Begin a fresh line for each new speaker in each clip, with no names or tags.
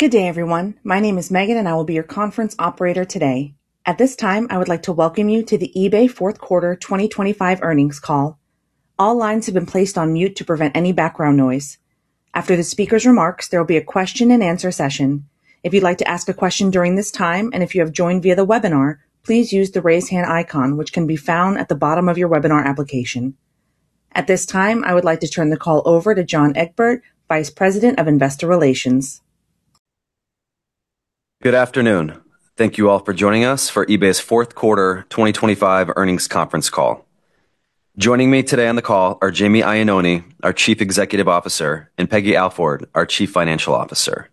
Good day, everyone. My name is Megan, and I will be your conference operator today. At this time, I would like to welcome you to the eBay fourth quarter 2025 earnings call. All lines have been placed on mute to prevent any background noise. After the speaker's remarks, there will be a question-and-answer session. If you'd like to ask a question during this time, and if you have joined via the webinar, please use the Raise Hand icon, which can be found at the bottom of your webinar application. At this time, I would like to turn the call over to John Egbert, Vice President of Investor Relations.
Good afternoon. Thank you all for joining us for eBay's fourth quarter 2025 earnings conference call. Joining me today on the call are Jamie Iannone, our Chief Executive Officer, and Peggy Alford, our Chief Financial Officer.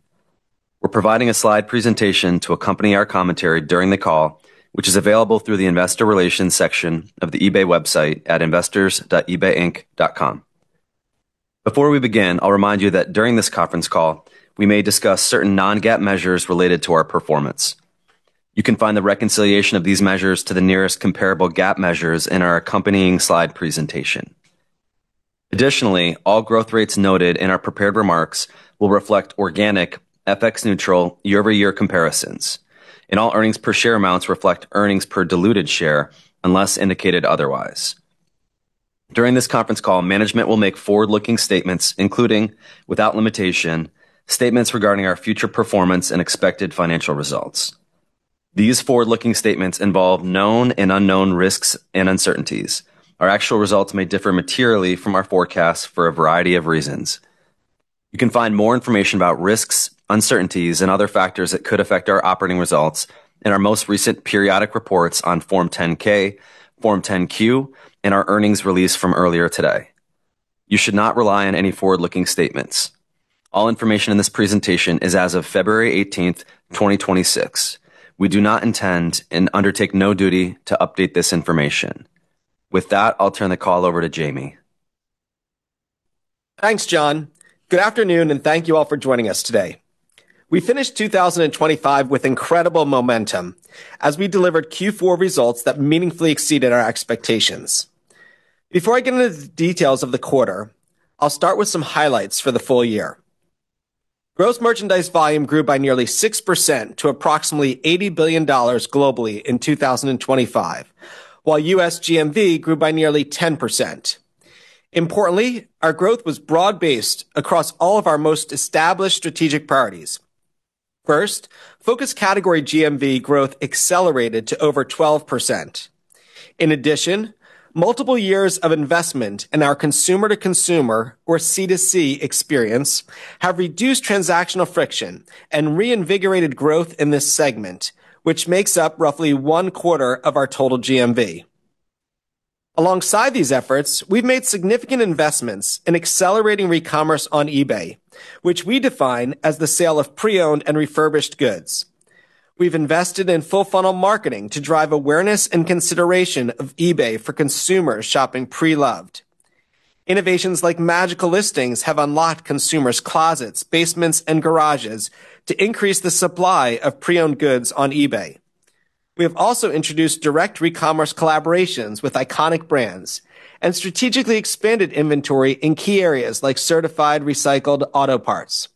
We're providing a slide presentation to accompany our commentary during the call, which is available through the Investor Relations section of the eBay website at investors.eBayinc.com. Before we begin, I'll remind you that during this conference call, we may discuss certain Non-GAAP measures related to our performance. You can find the reconciliation of these measures to the nearest comparable GAAP measures in our accompanying slide presentation. Additionally, all growth rates noted in our prepared remarks will reflect organic, FX neutral, year-over-year comparisons, and all earnings per share amounts reflect earnings per diluted share unless indicated otherwise. During this conference call, management will make forward-looking statements, including, without limitation, statements regarding our future performance and expected financial results. These forward-looking statements involve known and unknown risks and uncertainties. Our actual results may differ materially from our forecasts for a variety of reasons. You can find more information about risks, uncertainties, and other factors that could affect our operating results in our most recent periodic reports on Form 10-K, Form 10-Q, and our earnings release from earlier today. You should not rely on any forward-looking statements. All information in this presentation is as of February 18, 2026. We do not intend, and undertake no duty to update this information. With that, I'll turn the call over to Jamie.
Thanks, John. Good afternoon, and thank you all for joining us today. We finished 2025 with incredible momentum as we delivered Q4 results that meaningfully exceeded our expectations. Before I get into the details of the quarter, I'll start with some highlights for the full year. Gross merchandise volume grew by nearly 6% to approximately $80 billion globally in 2025, while U.S. GMV grew by nearly 10%. Importantly, our growth was broad-based across all of our most established strategic priorities. Focus Categories GMV growth accelerated to over 12%. In addition, multiple years of investment in our consumer-to-consumer, or C2C, experience have reduced transactional friction and reinvigorated growth in this segment, which makes up roughly one quarter of our total GMV. Alongside these efforts, we've made significant investments in accelerating recommerce on eBay, which we define as the sale of pre-owned and refurbished goods. We've invested in full-funnel marketing to drive awareness and consideration of eBay for consumers shopping pre-loved. Innovations Magical Listing have unlocked consumers' closets, basements, and garages to increase the supply of pre-owned goods on eBay. We have also introduced direct recommerce collaborations with iconic brands and strategically expanded inventory in key areas like certified recycled auto parts.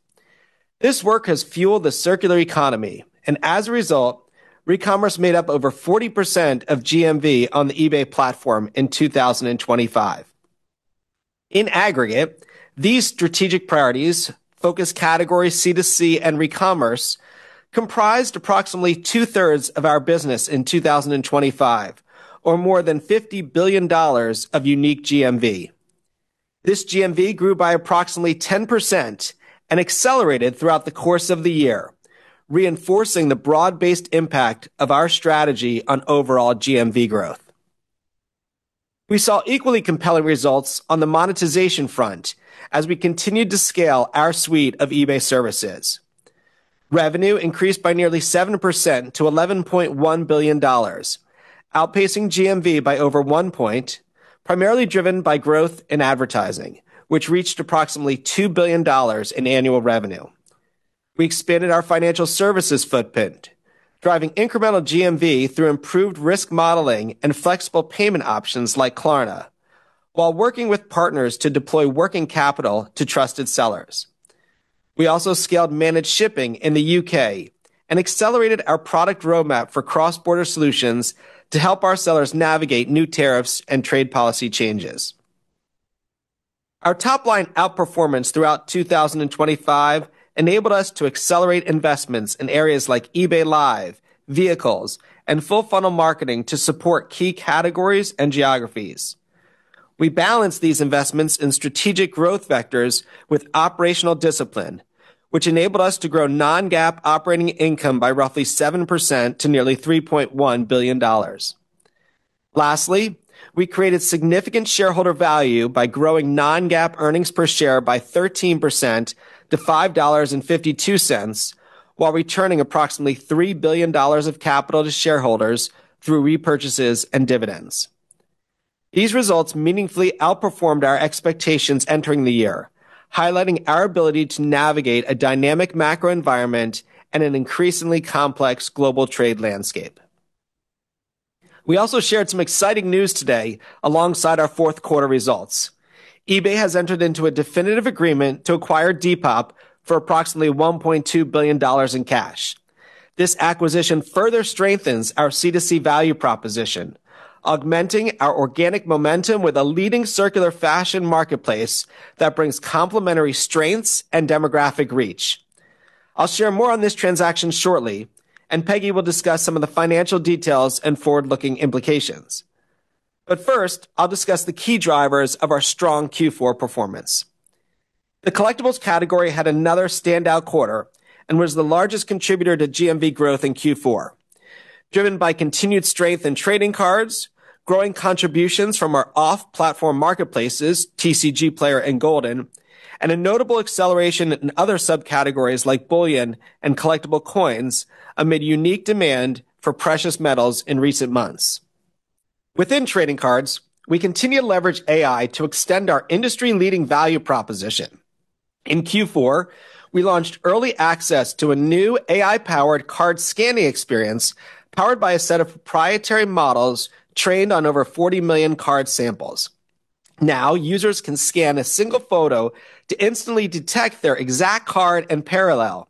This work has fueled the circular economy, and as a result, recommerce made up over 40% of GMV on the eBay platform in 2025. In aggregate, these strategic priorities, Focus Categories C2C and recommerce, comprised approximately two-thirds of our business in 2025, or more than $50 billion of unique GMV. This GMV grew by approximately 10% and accelerated throughout the course of the year, reinforcing the broad-based impact of our strategy on overall GMV growth. We saw equally compelling results on the monetization front as we continued to scale our suite of eBay services. Revenue increased by nearly 7% to $11.1 billion, outpacing GMV by over one point, primarily driven by growth in advertising, which reached approximately $2 billion in annual revenue. We expanded our financial services footprint, driving incremental GMV through improved risk modeling and flexible payment options like Klarna, while working with partners to deploy working capital to trusted sellers. We also Managed Shipping in the U.K. and accelerated our product roadmap for cross-border solutions to help our sellers navigate new tariffs and trade policy changes. Our top-line outperformance throughout 2025 enabled us to accelerate investments in areas like eBay Live, Vehicles, and full-funnel marketing to support key categories and geographies. We balanced these investments in strategic growth vectors with operational discipline, which enabled us to grow Non-GAAP operating income by roughly 7% to nearly $3.1 billion. Lastly, we created significant shareholder value by growing Non-GAAP earnings per share by 13% to $5.52, while returning approximately $3 billion of capital to shareholders through repurchases and dividends. These results meaningfully outperformed our expectations entering the year, highlighting our ability to navigate a dynamic macro environment and an increasingly complex global trade landscape. We also shared some exciting news today alongside our fourth quarter results. eBay has entered into a definitive agreement to acquire Depop for approximately $1.2 billion in cash. This acquisition further strengthens our C2C value proposition, augmenting our organic momentum with a leading circular fashion marketplace that brings complementary strengths and demographic reach. I'll share more on this transaction shortly, and Peggy will discuss some of the financial details and forward-looking implications. But first, I'll discuss the key drivers of our strong Q4 performance. The collectibles category had another standout quarter and was the largest contributor to GMV growth in Q4, driven by continued strength in trading cards, growing contributions from our off-platform marketplaces, TCGplayer and Goldin, and a notable acceleration in other subcategories like bullion and collectible coins, amid unique demand for precious metals in recent months. Within trading cards, we continue to leverage AI to extend our industry-leading value proposition. In Q4, we launched early access to a new AI-powered card scanning experience, powered by a set of proprietary models trained on over 40 million card samples. Now, users can scan a single photo to instantly detect their exact card and parallel,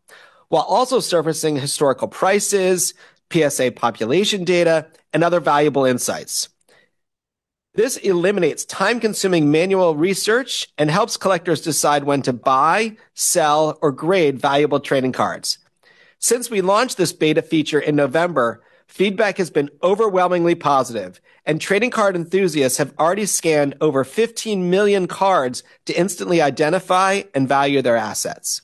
while also surfacing historical prices, PSA population data, and other valuable insights. This eliminates time-consuming manual research and helps collectors decide when to buy, sell, or grade valuable trading cards. Since we launched this beta feature in November, feedback has been overwhelmingly positive, and trading card enthusiasts have already scanned over 15 million cards to instantly identify and value their assets.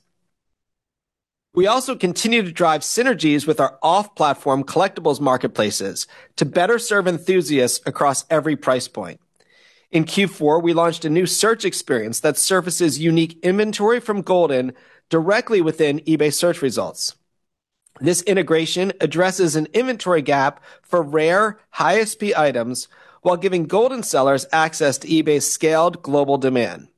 We also continue to drive synergies with our off-platform collectibles marketplaces to better serve enthusiasts across every price point. In Q4, we launched a new search experience that surfaces unique inventory from Goldin directly within eBay search results. This integration addresses an inventory gap for rare, high-ASP items while giving Goldin sellers access to eBay's scaled global demand.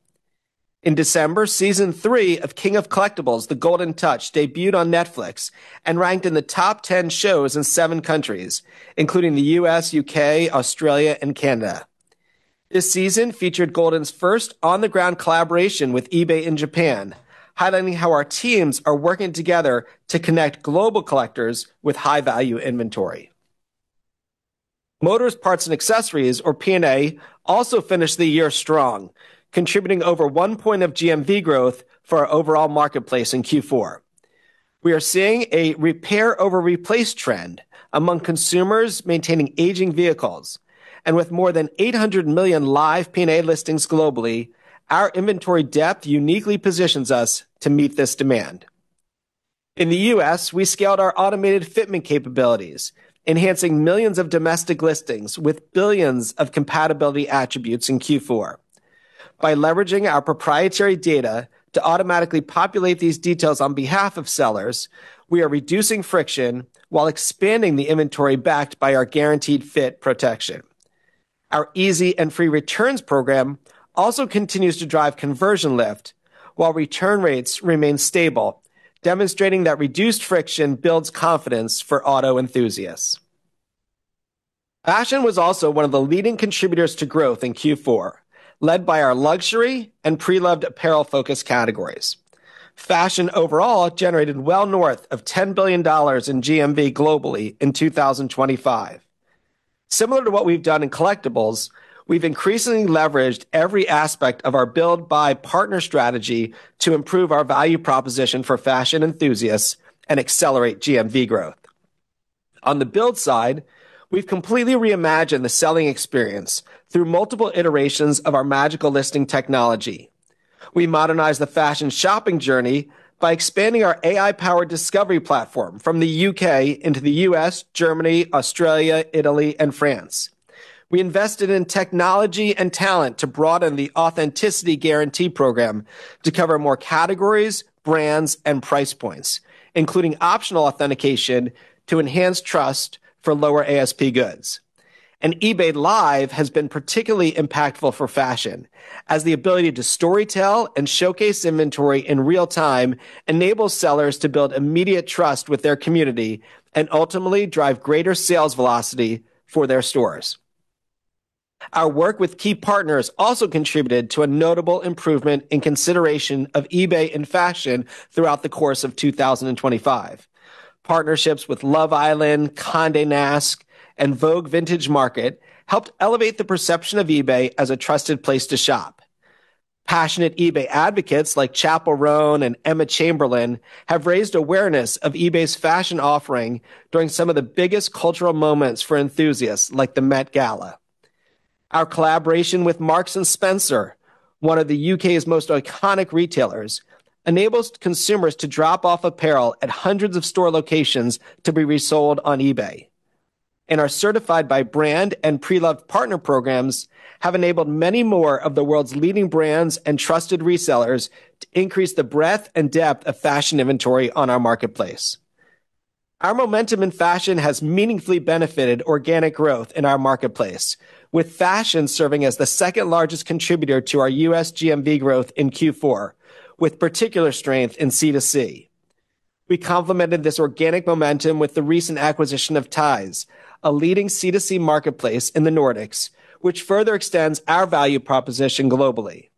In December, season three of King of Collectibles: The Goldin Touch debuted on Netflix and ranked in the top 10 shows in seven countries, including the U.S., U.K., Australia, and Canada. This season featured Goldin's first on-the-ground collaboration with eBay in Japan, highlighting how our teams are working together to connect global collectors with high-value inventory. Motors, Parts & Accessories, or P&A, also finished the year strong, contributing over one point of GMV growth for our overall marketplace in Q4. We are seeing a repair-over-replace trend among consumers maintaining aging vehicles, and with more than 800 million live P&A listings globally, our inventory depth uniquely positions us to meet this demand. In the U.S., we scaled our automated fitment capabilities, enhancing millions of domestic listings with billions of compatibility attributes in Q4. By leveraging our proprietary data to automatically populate these details on behalf of sellers, we are reducing friction while expanding the inventory backed by our Guaranteed Fit protection. Our easy and free returns program also continues to drive conversion lift, while return rates remain stable, demonstrating that reduced friction builds confidence for auto enthusiasts. Fashion was also one of the leading contributors to growth in Q4, led by our luxury and pre-loved apparel-focused categories. Fashion overall generated well north of $10 billion in GMV globally in 2025. Similar to what we've done in collectibles, we've increasingly leveraged every aspect of our build-by-partner strategy to improve our value proposition for fashion enthusiasts and accelerate GMV growth. On the build side, we've completely reimagined the selling experience through multiple iterations of Magical Listing technology. We modernized the fashion shopping journey by expanding our AI-powered discovery platform from the U.K. into the U.S., Germany, Australia, Italy, and France. We invested in technology and talent to broaden the Authenticity Guarantee program to cover more categories, brands, and price points, including optional authentication to enhance trust for lower ASP goods. eBay Live has been particularly impactful for fashion, as the ability to storytell and showcase inventory in real time enables sellers to build immediate trust with their community and ultimately drive greater sales velocity for their stores. Our work with key partners also contributed to a notable improvement in consideration of eBay in fashion throughout the course of 2025. Partnerships with Love Island, Condé Nast, and Vogue Vintage Market helped elevate the perception of eBay as a trusted place to shop. Passionate eBay advocates like Chappell Roan and Emma Chamberlain have raised awareness of eBay's fashion offering during some of the biggest cultural moments for enthusiasts, like the Met Gala. Our collaboration with Marks & Spencer, one of the U.K.'s most iconic retailers, enables consumers to drop off apparel at hundreds of store locations to be resold on eBay. Our Certified by Brand and pre-loved partner programs have enabled many more of the world's leading brands and trusted resellers to increase the breadth and depth of fashion inventory on our marketplace. Our momentum in fashion has meaningfully benefited organic growth in our marketplace, with fashion serving as the second-largest contributor to our U.S. GMV growth in Q4, with particular strength in C2C. We complemented this organic momentum with the recent acquisition of Tise, a leading C2C marketplace in the Nordics, which further extends our value proposition globally.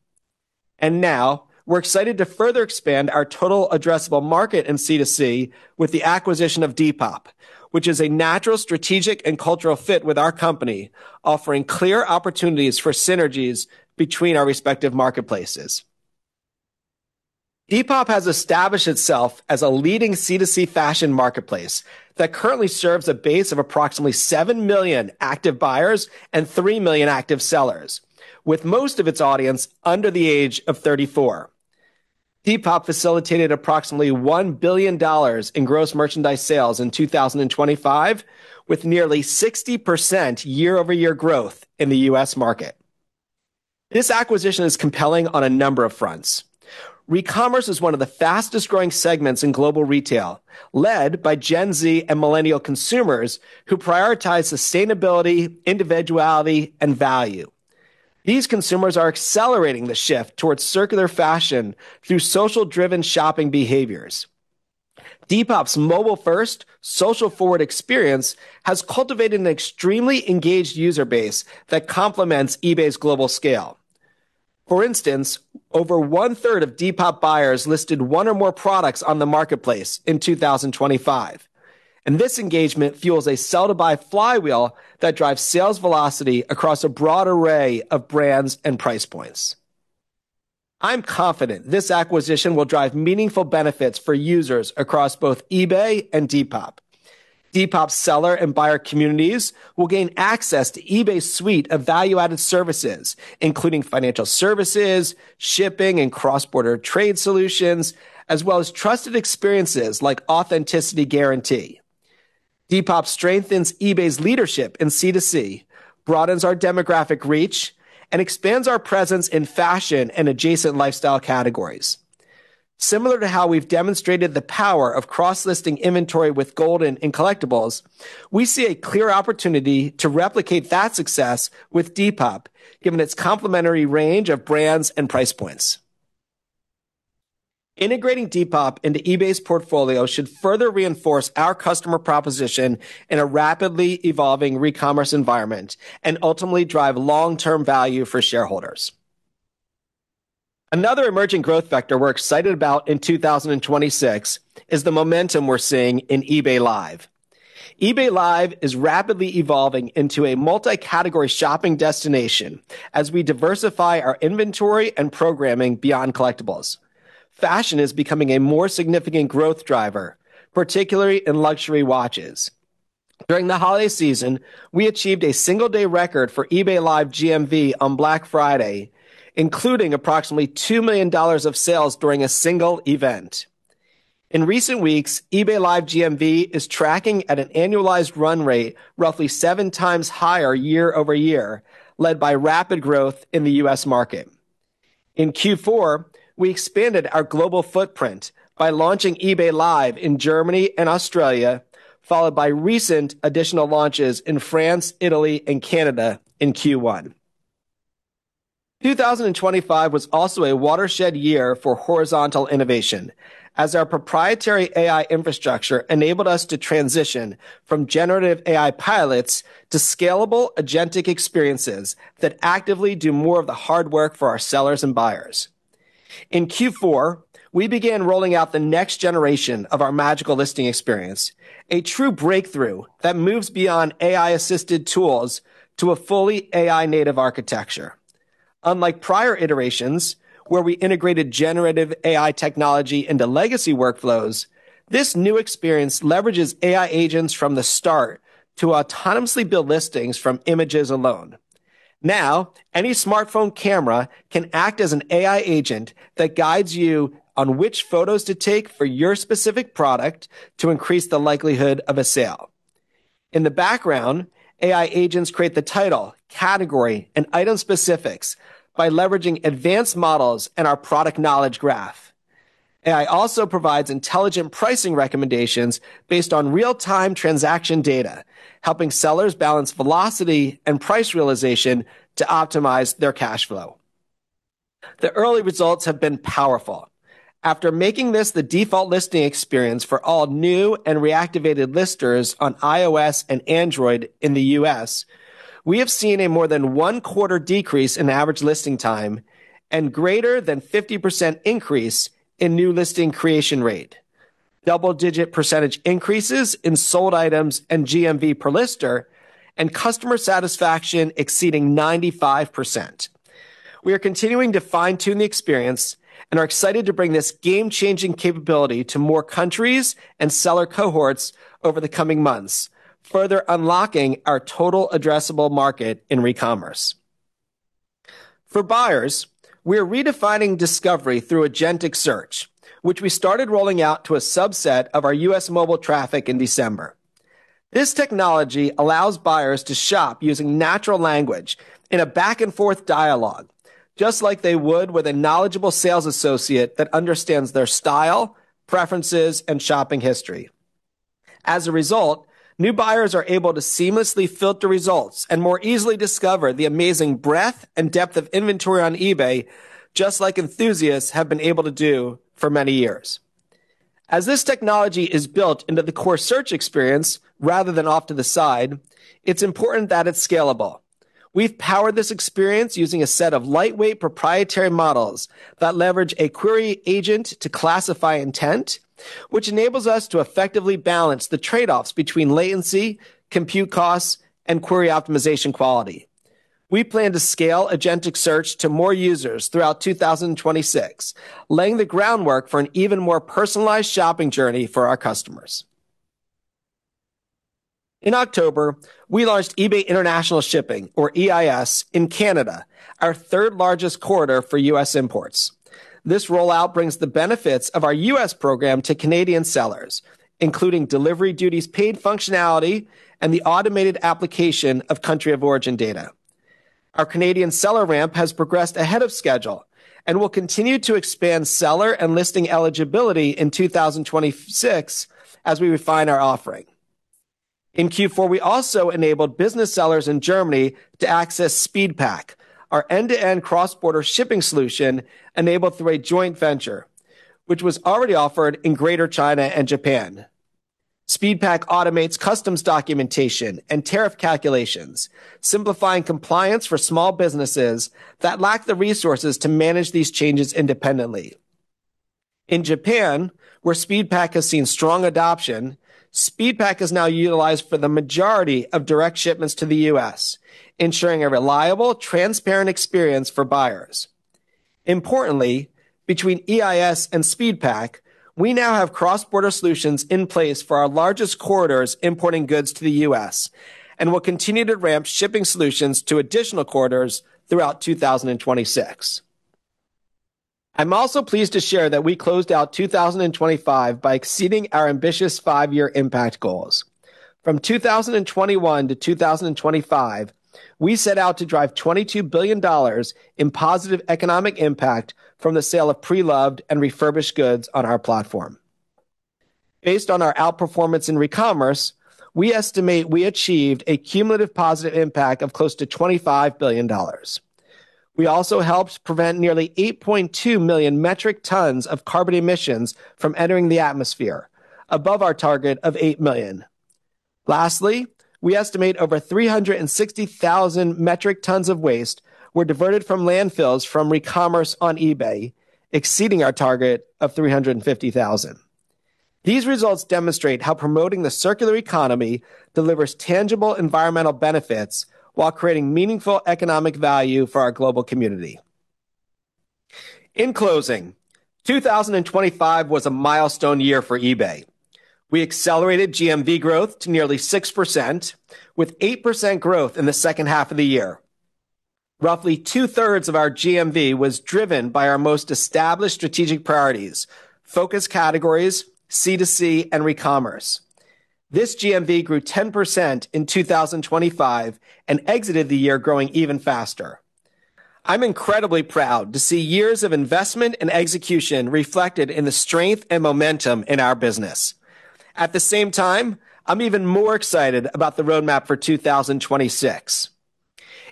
And now, we're excited to further expand our total addressable market in C2C with the acquisition of Depop, which is a natural, strategic, and cultural fit with our company, offering clear opportunities for synergies between our respective marketplaces. Depop has established itself as a leading C2C fashion marketplace that currently serves a base of approximately 7 million active buyers and 3 million active sellers, with most of its audience under the age of 34. Depop facilitated approximately $1 billion in gross merchandise sales in 2025, with nearly 60% year-over-year growth in the U.S. market. This acquisition is compelling on a number of fronts. recommerce is one of the fastest-growing segments in global retail, led by Gen Z and millennial consumers who prioritize sustainability, individuality, and value. These consumers are accelerating the shift towards circular fashion through social-driven shopping behaviors. Depop's mobile-first, social-forward experience has cultivated an extremely engaged user base that complements eBay's global scale. For instance, over one-third of Depop buyers listed one or more products on the marketplace in 2025, and this engagement fuels a sell-to-buy flywheel that drives sales velocity across a broad array of brands and price points. I'm confident this acquisition will drive meaningful benefits for users across both eBay and Depop. Depop's seller and buyer communities will gain access to eBay's suite of value-added services, including financial services, shipping, and cross-border trade solutions, as well as trusted experiences like Authenticity Guarantee. Depop strengthens eBay's leadership in C2C, broadens our demographic reach, and expands our presence in fashion and adjacent lifestyle categories. Similar to how we've demonstrated the power of cross-listing inventory with Goldin in collectibles, we see a clear opportunity to replicate that success with Depop, given its complementary range of brands and price points. Integrating Depop into eBay's portfolio should further reinforce our customer proposition in a rapidly evolving recommerce environment and ultimately drive long-term value for shareholders. Another emerging growth vector we're excited about in 2026 is the momentum we're seeing in eBay Live. eBay Live is rapidly evolving into a multi-category shopping destination as we diversify our inventory and programming beyond collectibles. Fashion is becoming a more significant growth driver, particularly in luxury watches. During the holiday season, we achieved a single-day record for eBay Live GMV on Black Friday, including approximately $2 million of sales during a single event. In recent weeks, eBay Live GMV is tracking at an annualized run rate roughly 7 times higher year-over-year, led by rapid growth in the U.S. market. In Q4, we expanded our global footprint by launching eBay Live in Germany and Australia, followed by recent additional launches in France, Italy, and Canada in Q1. 2025 was also a watershed year for horizontal innovation, as our proprietary AI infrastructure enabled us to transition from generative AI pilots to scalable agentic experiences that actively do more of the hard work for our sellers and buyers. In Q4, we began rolling out the next generation of Magical Listing experience, a true breakthrough that moves beyond AI-assisted tools to a fully AI-native architecture. Unlike prior iterations, where we integrated generative AI technology into legacy workflows, this new experience leverages AI agents from the start to autonomously build listings from images alone. Now, any smartphone camera can act as an AI agent that guides you on which photos to take for your specific product to increase the likelihood of a sale. In the background, AI agents create the title, category, and item specifics by leveraging advanced models and our product knowledge graph. AI also provides intelligent pricing recommendations based on real-time transaction data, helping sellers balance velocity and price realization to optimize their cash flow. The early results have been powerful. After making this the default listing experience for all new and reactivated listers on iOS and Android in the U.S., we have seen a more than one-quarter decrease in average listing time and greater than 50% increase in new listing creation rate, double-digit percentage increases in sold items and GMV per lister, and customer satisfaction exceeding 95%. We are continuing to fine-tune the experience and are excited to bring this game-changing capability to more countries and seller cohorts over the coming months, further unlocking our total addressable market in recommerce. For buyers, we are redefining discovery through agentic search, which we started rolling out to a subset of our U.S. mobile traffic in December. This technology allows buyers to shop using natural language in a back-and-forth dialogue, just like they would with a knowledgeable sales associate that understands their style, preferences, and shopping history.... As a result, new buyers are able to seamlessly filter results and more easily discover the amazing breadth and depth of inventory on eBay, just like enthusiasts have been able to do for many years. As this technology is built into the core search experience rather than off to the side, it's important that it's scalable. We've powered this experience using a set of lightweight proprietary models that leverage a query agent to classify intent, which enables us to effectively balance the trade-offs between latency, compute costs, and query optimization quality. We plan to scale agentic search to more users throughout 2026, laying the groundwork for an even more personalized shopping journey for our customers. In October, we launched eBay International Shipping, or EIS, in Canada, our third-largest corridor for U.S. imports. This rollout brings the benefits of our U.S. program to Canadian sellers, including delivery duties paid functionality, and the automated application of country of origin data. Our Canadian seller ramp has progressed ahead of schedule and will continue to expand seller and listing eligibility in 2026 as we refine our offering. In Q4, we also enabled business sellers in Germany to access SpeedPAK, our end-to-end cross-border shipping solution, enabled through a joint venture, which was already offered in Greater China and Japan. SpeedPAK automates customs documentation and tariff calculations, simplifying compliance for small businesses that lack the resources to manage these changes independently. In Japan, where SpeedPAK has seen strong adoption, SpeedPAK is now utilized for the majority of direct shipments to the U.S., ensuring a reliable, transparent experience for buyers. Importantly, between EIS and SpeedPAK, we now have cross-border solutions in place for our largest corridors importing goods to the U.S., and we'll continue to ramp shipping solutions to additional corridors throughout 2026. I'm also pleased to share that we closed out 2025 by exceeding our ambitious five-year impact goals. From 2021 to 2025, we set out to drive $22 billion in positive economic impact from the sale of pre-loved and refurbished goods on our platform. Based on our outperformance in recommerce, we estimate we achieved a cumulative positive impact of close to $25 billion. We also helped prevent nearly 8.2 million metric tons of carbon emissions from entering the atmosphere, above our target of 8 million. Lastly, we estimate over 360,000 metric tons of waste were diverted from landfills from recommerce on eBay, exceeding our target of 350,000. These results demonstrate how promoting the circular economy delivers tangible environmental benefits while creating meaningful economic value for our global community. In closing, 2025 was a milestone year for eBay. We accelerated GMV growth to nearly 6%, with 8% growth in the second half of the year. Roughly two-thirds of our GMV was driven by our most established strategic Focus Categories, C2C, and recommerce. This GMV grew 10% in 2025 and exited the year growing even faster. I'm incredibly proud to see years of investment and execution reflected in the strength and momentum in our business. At the same time, I'm even more excited about the roadmap for 2026.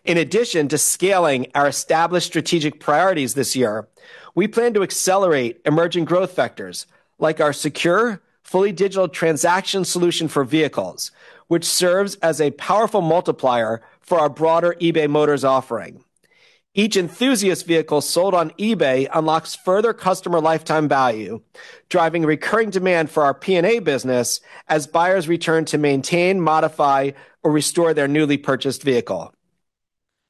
In addition to scaling our established strategic priorities this year, we plan to accelerate emerging growth vectors like our secure, fully digital transaction solution for Vehicles, which serves as a powerful multiplier for our broader eBay Motors offering. Each enthusiast vehicle sold on eBay unlocks further customer lifetime value, driving recurring demand for our P&A business as buyers return to maintain, modify, or restore their newly purchased vehicle.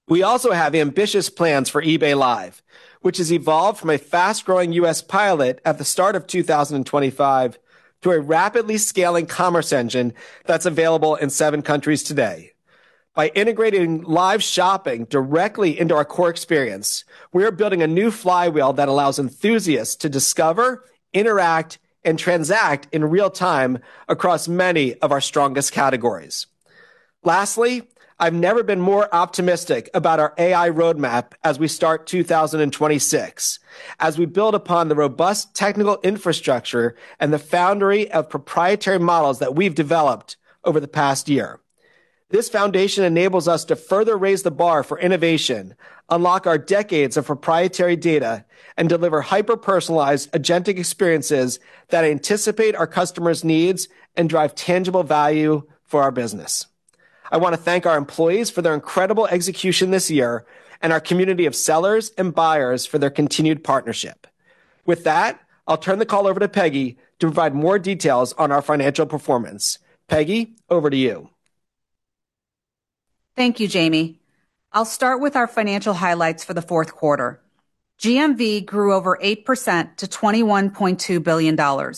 We also have ambitious plans for eBay Live, which has evolved from a fast-growing U.S. pilot at the start of 2025 to a rapidly scaling commerce engine that's available in seven countries today. By integrating live shopping directly into our core experience, we are building a new flywheel that allows enthusiasts to discover, interact, and transact in real time across many of our strongest categories. Lastly, I've never been more optimistic about our AI roadmap as we start 2026, as we build upon the robust technical infrastructure and the foundry of proprietary models that we've developed over the past year. This foundation enables us to further raise the bar for innovation, unlock our decades of proprietary data, and deliver hyper-personalized, agentic experiences that anticipate our customers' needs and drive tangible value for our business. I want to thank our employees for their incredible execution this year and our community of sellers and buyers for their continued partnership. With that, I'll turn the call over to Peggy to provide more details on our financial performance. Peggy, over to you.
Thank you, Jamie. I'll start with our financial highlights for the fourth quarter. GMV grew over 8% to $21.2 billion.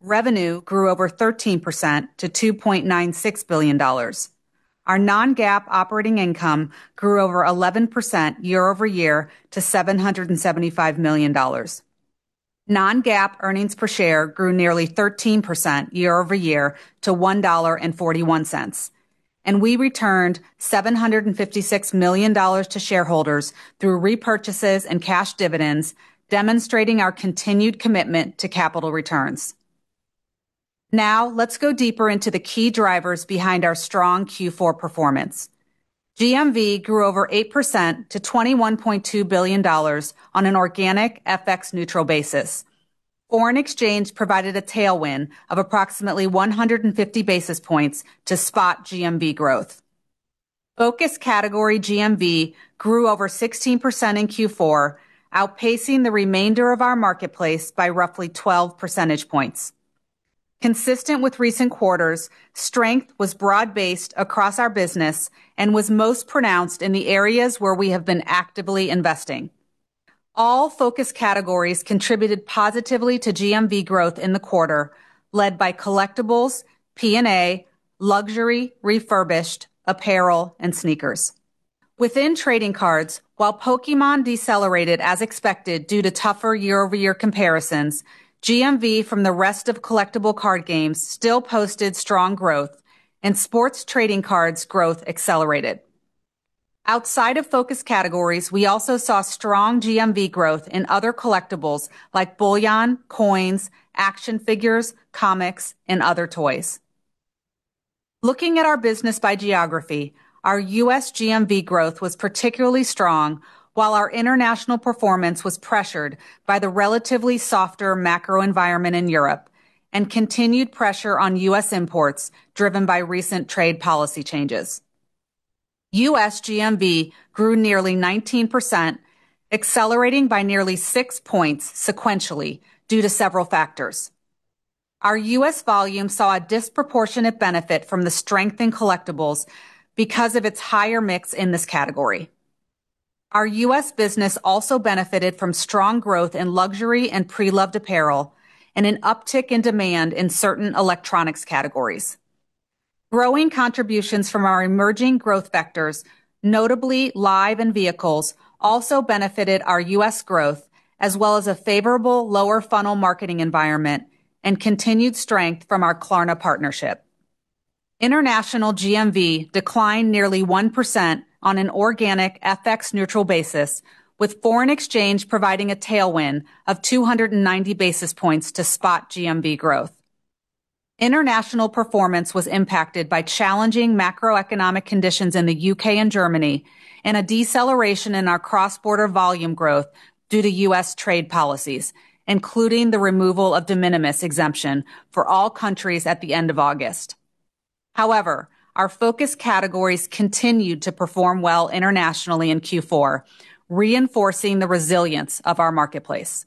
Revenue grew over 13% to $2.96 billion. Our Non-GAAP operating income grew over 11% year-over-year to $775 million. Non-GAAP earnings per share grew nearly 13% year-over-year to $1.41... and we returned $756 million to shareholders through repurchases and cash dividends, demonstrating our continued commitment to capital returns. Now, let's go deeper into the key drivers behind our strong Q4 performance. GMV grew over 8% to $21.2 billion on an organic FX neutral basis. Foreign exchange provided a tailwind of approximately 150 basis points to spot GMV growth. Focus Categories GMV grew over 16% in Q4, outpacing the remainder of our marketplace by roughly 12 percentage points. Consistent with recent quarters, strength was broad-based across our business and was most pronounced in the areas where we have been actively investing. Focus Categories contributed positively to GMV growth in the quarter, led by collectibles, P&A, luxury, refurbished, apparel, and sneakers. Within trading cards, while Pokémon decelerated as expected due to tougher year-over-year comparisons, GMV from the rest of collectible card games still posted strong growth and sports trading cards growth accelerated. Outside Focus Categories, we also saw strong GMV growth in other collectibles like bullion, coins, action figures, comics, and other toys. Looking at our business by geography, our U.S. GMV growth was particularly strong, while our international performance was pressured by the relatively softer macro environment in Europe and continued pressure on U.S. imports, driven by recent trade policy changes. U.S. GMV grew nearly 19%, accelerating by nearly six points sequentially due to several factors. Our U.S. volume saw a disproportionate benefit from the strength in collectibles because of its higher mix in this category. Our U.S. business also benefited from strong growth in luxury and pre-loved apparel and an uptick in demand in certain electronics categories. Growing contributions from our emerging growth vectors, notablyLive and Vehicles, also benefited our U.S. growth, as well as a favorable lower funnel marketing environment and continued strength from our Klarna partnership. International GMV declined nearly 1% on an organic FX neutral basis, with foreign exchange providing a tailwind of 290 basis points to spot GMV growth. International performance was impacted by challenging macroeconomic conditions in the U.K. and Germany, and a deceleration in our cross-border volume growth due to U.S. trade policies, including the removal of de minimis exemption for all countries at the end of August. However, Focus Categories continued to perform well internationally in Q4, reinforcing the resilience of our marketplace.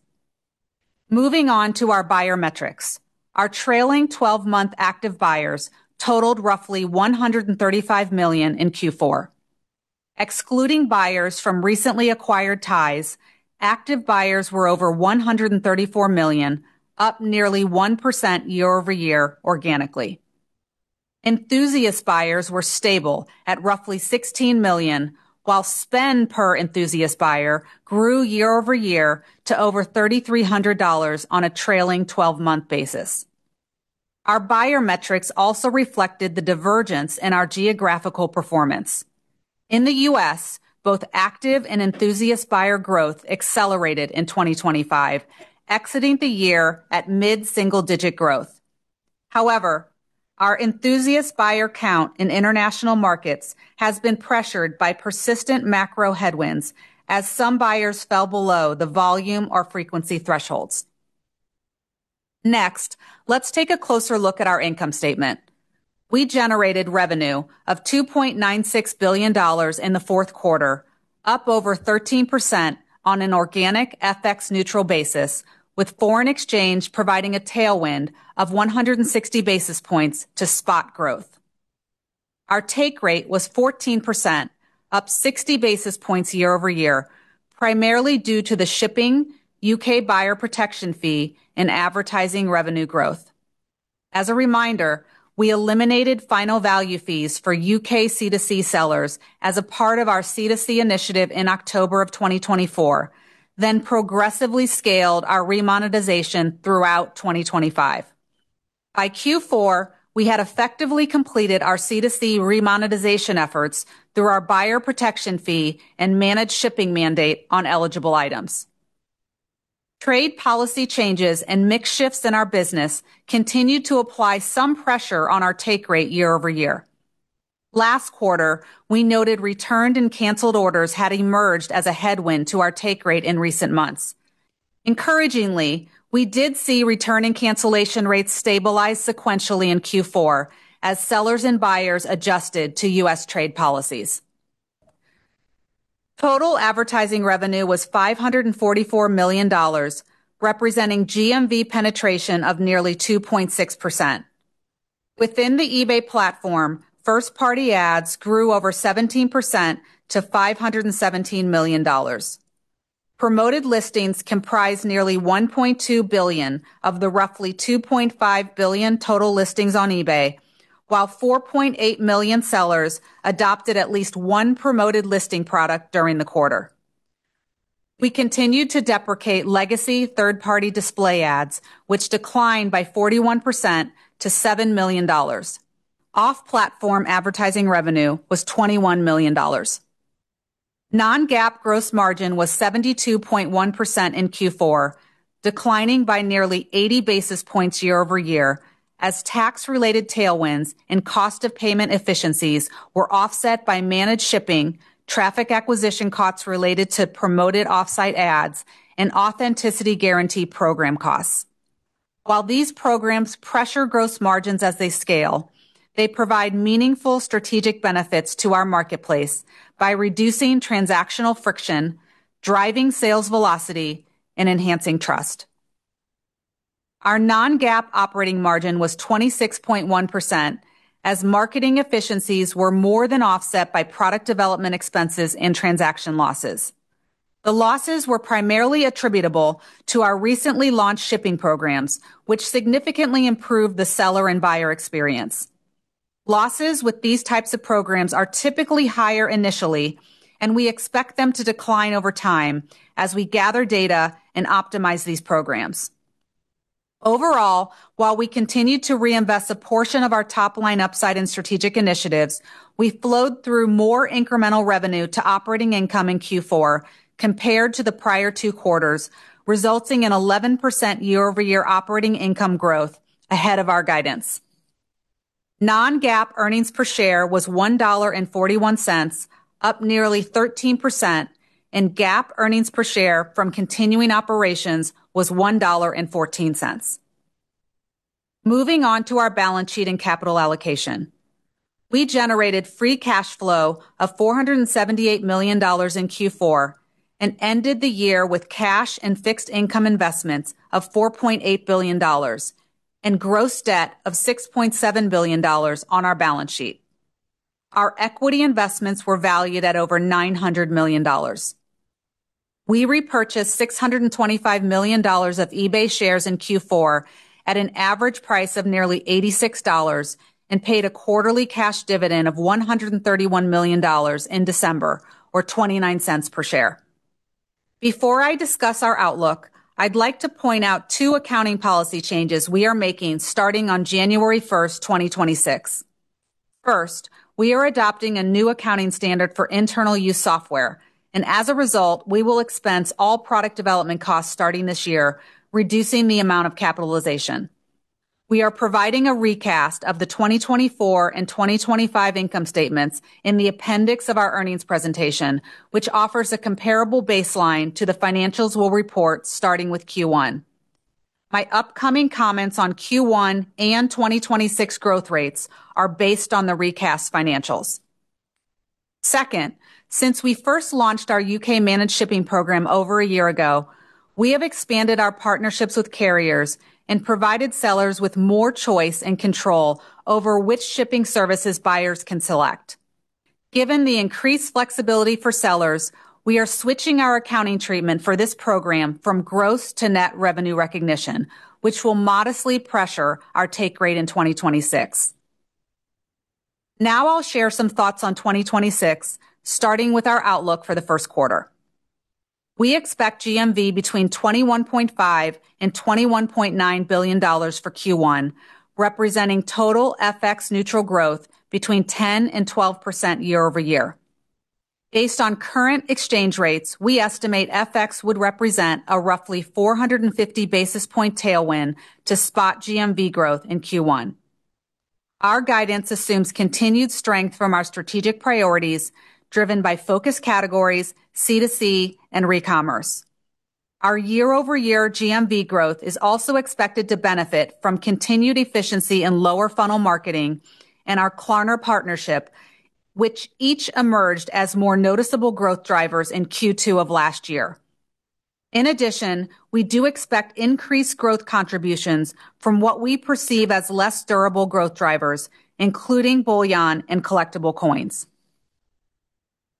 Moving on to our buyer metrics. Our trailing twelve-month active buyers totaled roughly 135 million in Q4. Excluding buyers from recently acquired Tise, active buyers were over 134 million, up nearly 1% year-over-year organically. Enthusiast buyers were stable at roughly 16 million, while spend per enthusiast buyer grew year-over-year to over $3,300 on a trailing twelve-month basis. Our buyer metrics also reflected the divergence in our geographical performance. In the U.S., both active and enthusiast buyer growth accelerated in 2025, exiting the year at mid-single-digit growth. However, our enthusiast buyer count in international markets has been pressured by persistent macro headwinds as some buyers fell below the volume or frequency thresholds. Next, let's take a closer look at our income statement. We generated revenue of $2.96 billion in the fourth quarter, up over 13% on an organic FX-neutral basis, with foreign exchange providing a tailwind of 160 basis points to spot growth. Our Take Rate was 14%, up 60 basis points year-over-year, primarily due to the shipping, U.K. buyer protection fee and advertising revenue growth. As a reminder, we eliminated final value fees for U.K. C2C sellers as a part of our C2C initiative in October of 2024, then progressively scaled our remonetization throughout 2025. By Q4, we had effectively completed our C2C remonetization efforts through our buyer protection fee Managed Shipping mandate on eligible items. Trade policy changes and mix shifts in our business continued to apply some pressure on our Take Rate year-over-year. Last quarter, we noted returned and canceled orders had emerged as a headwind to our Take Rate in recent months. Encouragingly, we did see return and cancellation rates stabilize sequentially in Q4 as sellers and buyers adjusted to U.S. trade policies. Total advertising revenue was $544 million, representing GMV penetration of nearly 2.6%. Within the eBay platform, first-party ads grew over 17% to $517 million. Promoted Listings comprise nearly 1.2 billion of the roughly 2.5 billion total listings on eBay, while 4.8 million sellers adopted at least one Promoted Listing product during the quarter. We continued to deprecate legacy third-party display ads, which declined by 41% to $7 million. Off-platform advertising revenue was $21 million. Non-GAAP gross margin was 72.1% in Q4, declining by nearly 80 basis points year-over-year, as tax-related tailwinds and cost of payment efficiencies were offset Managed Shipping, traffic acquisition costs related to promoted off-site ads, and Authenticity Guarantee program costs. While these programs pressure gross margins as they scale, they provide meaningful strategic benefits to our marketplace by reducing transactional friction, driving sales velocity, and enhancing trust. Our Non-GAAP operating margin was 26.1%, as marketing efficiencies were more than offset by product development expenses and transaction losses. The losses were primarily attributable to our recently launched shipping programs, which significantly improved the seller and buyer experience. Losses with these types of programs are typically higher initially, and we expect them to decline over time as we gather data and optimize these programs. Overall, while we continue to reinvest a portion of our top-line upside in strategic initiatives, we flowed through more incremental revenue to operating income in Q4 compared to the prior two quarters, resulting in 11% year-over-year operating income growth ahead of our guidance. Non-GAAP earnings per share was $1.41, up nearly 13%, and GAAP earnings per share from continuing operations was $1.14. Moving on to our balance sheet and capital allocation. We generated free cash flow of $478 million in Q4 and ended the year with cash and fixed income investments of $4.8 billion and gross debt of $6.7 billion on our balance sheet. Our equity investments were valued at over $900 million. We repurchased $625 million of eBay shares in Q4 at an average price of nearly $86 and paid a quarterly cash dividend of $131 million in December, or $0.29 per share. Before I discuss our outlook, I'd like to point out 2 accounting policy changes we are making starting on January first, 2026. First, we are adopting a new accounting standard for internal use software, and as a result, we will expense all product development costs starting this year, reducing the amount of capitalization. We are providing a recast of the 2024 and 2025 income statements in the appendix of our earnings presentation, which offers a comparable baseline to the financials we'll report starting with Q1. My upcoming comments on Q1 and 2026 growth rates are based on the recast financials. Second, since we first launched our Managed Shipping program over a year ago, we have expanded our partnerships with carriers and provided sellers with more choice and control over which shipping services buyers can select. Given the increased flexibility for sellers, we are switching our accounting treatment for this program from gross to net revenue recognition, which will modestly pressure our take rate in 2026. Now I'll share some thoughts on 2026, starting with our outlook for the first quarter. We expect GMV between $21.5 billion-$21.9 billion for Q1, representing total FX neutral growth between 10%-12% year-over-year. Based on current exchange rates, we estimate FX would represent a roughly 450 basis point tailwind to spot GMV growth in Q1. Our guidance assumes continued strength from our strategic priorities, driven Focus Categories, C2C, and recommerce. Our year-over-year GMV growth is also expected to benefit from continued efficiency in lower funnel marketing and our Klarna partnership, which each emerged as more noticeable growth drivers in Q2 of last year. In addition, we do expect increased growth contributions from what we perceive as less durable growth drivers, including bullion and collectible coins.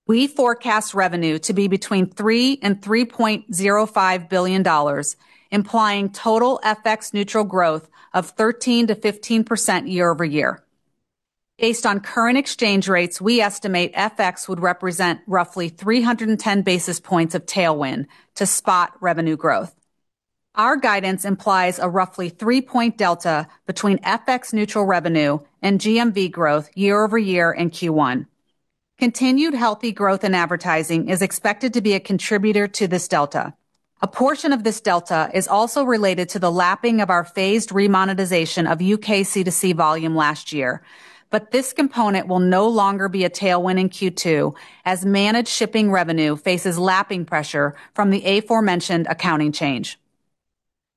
We forecast revenue to be between $3 billion-$3.05 billion, implying total FX neutral growth of 13%-15% year-over-year. Based on current exchange rates, we estimate FX would represent roughly 310 basis points of tailwind to spot revenue growth. Our guidance implies a roughly three-point delta between FX neutral revenue and GMV growth year-over-year in Q1. Continued healthy growth in advertising is expected to be a contributor to this delta. A portion of this delta is also related to the lapping of our phased remonetization of U.K. C2C volume last year, but this component will no longer be a tailwind in Q2 Managed Shipping revenue faces lapping pressure from the aforementioned accounting change.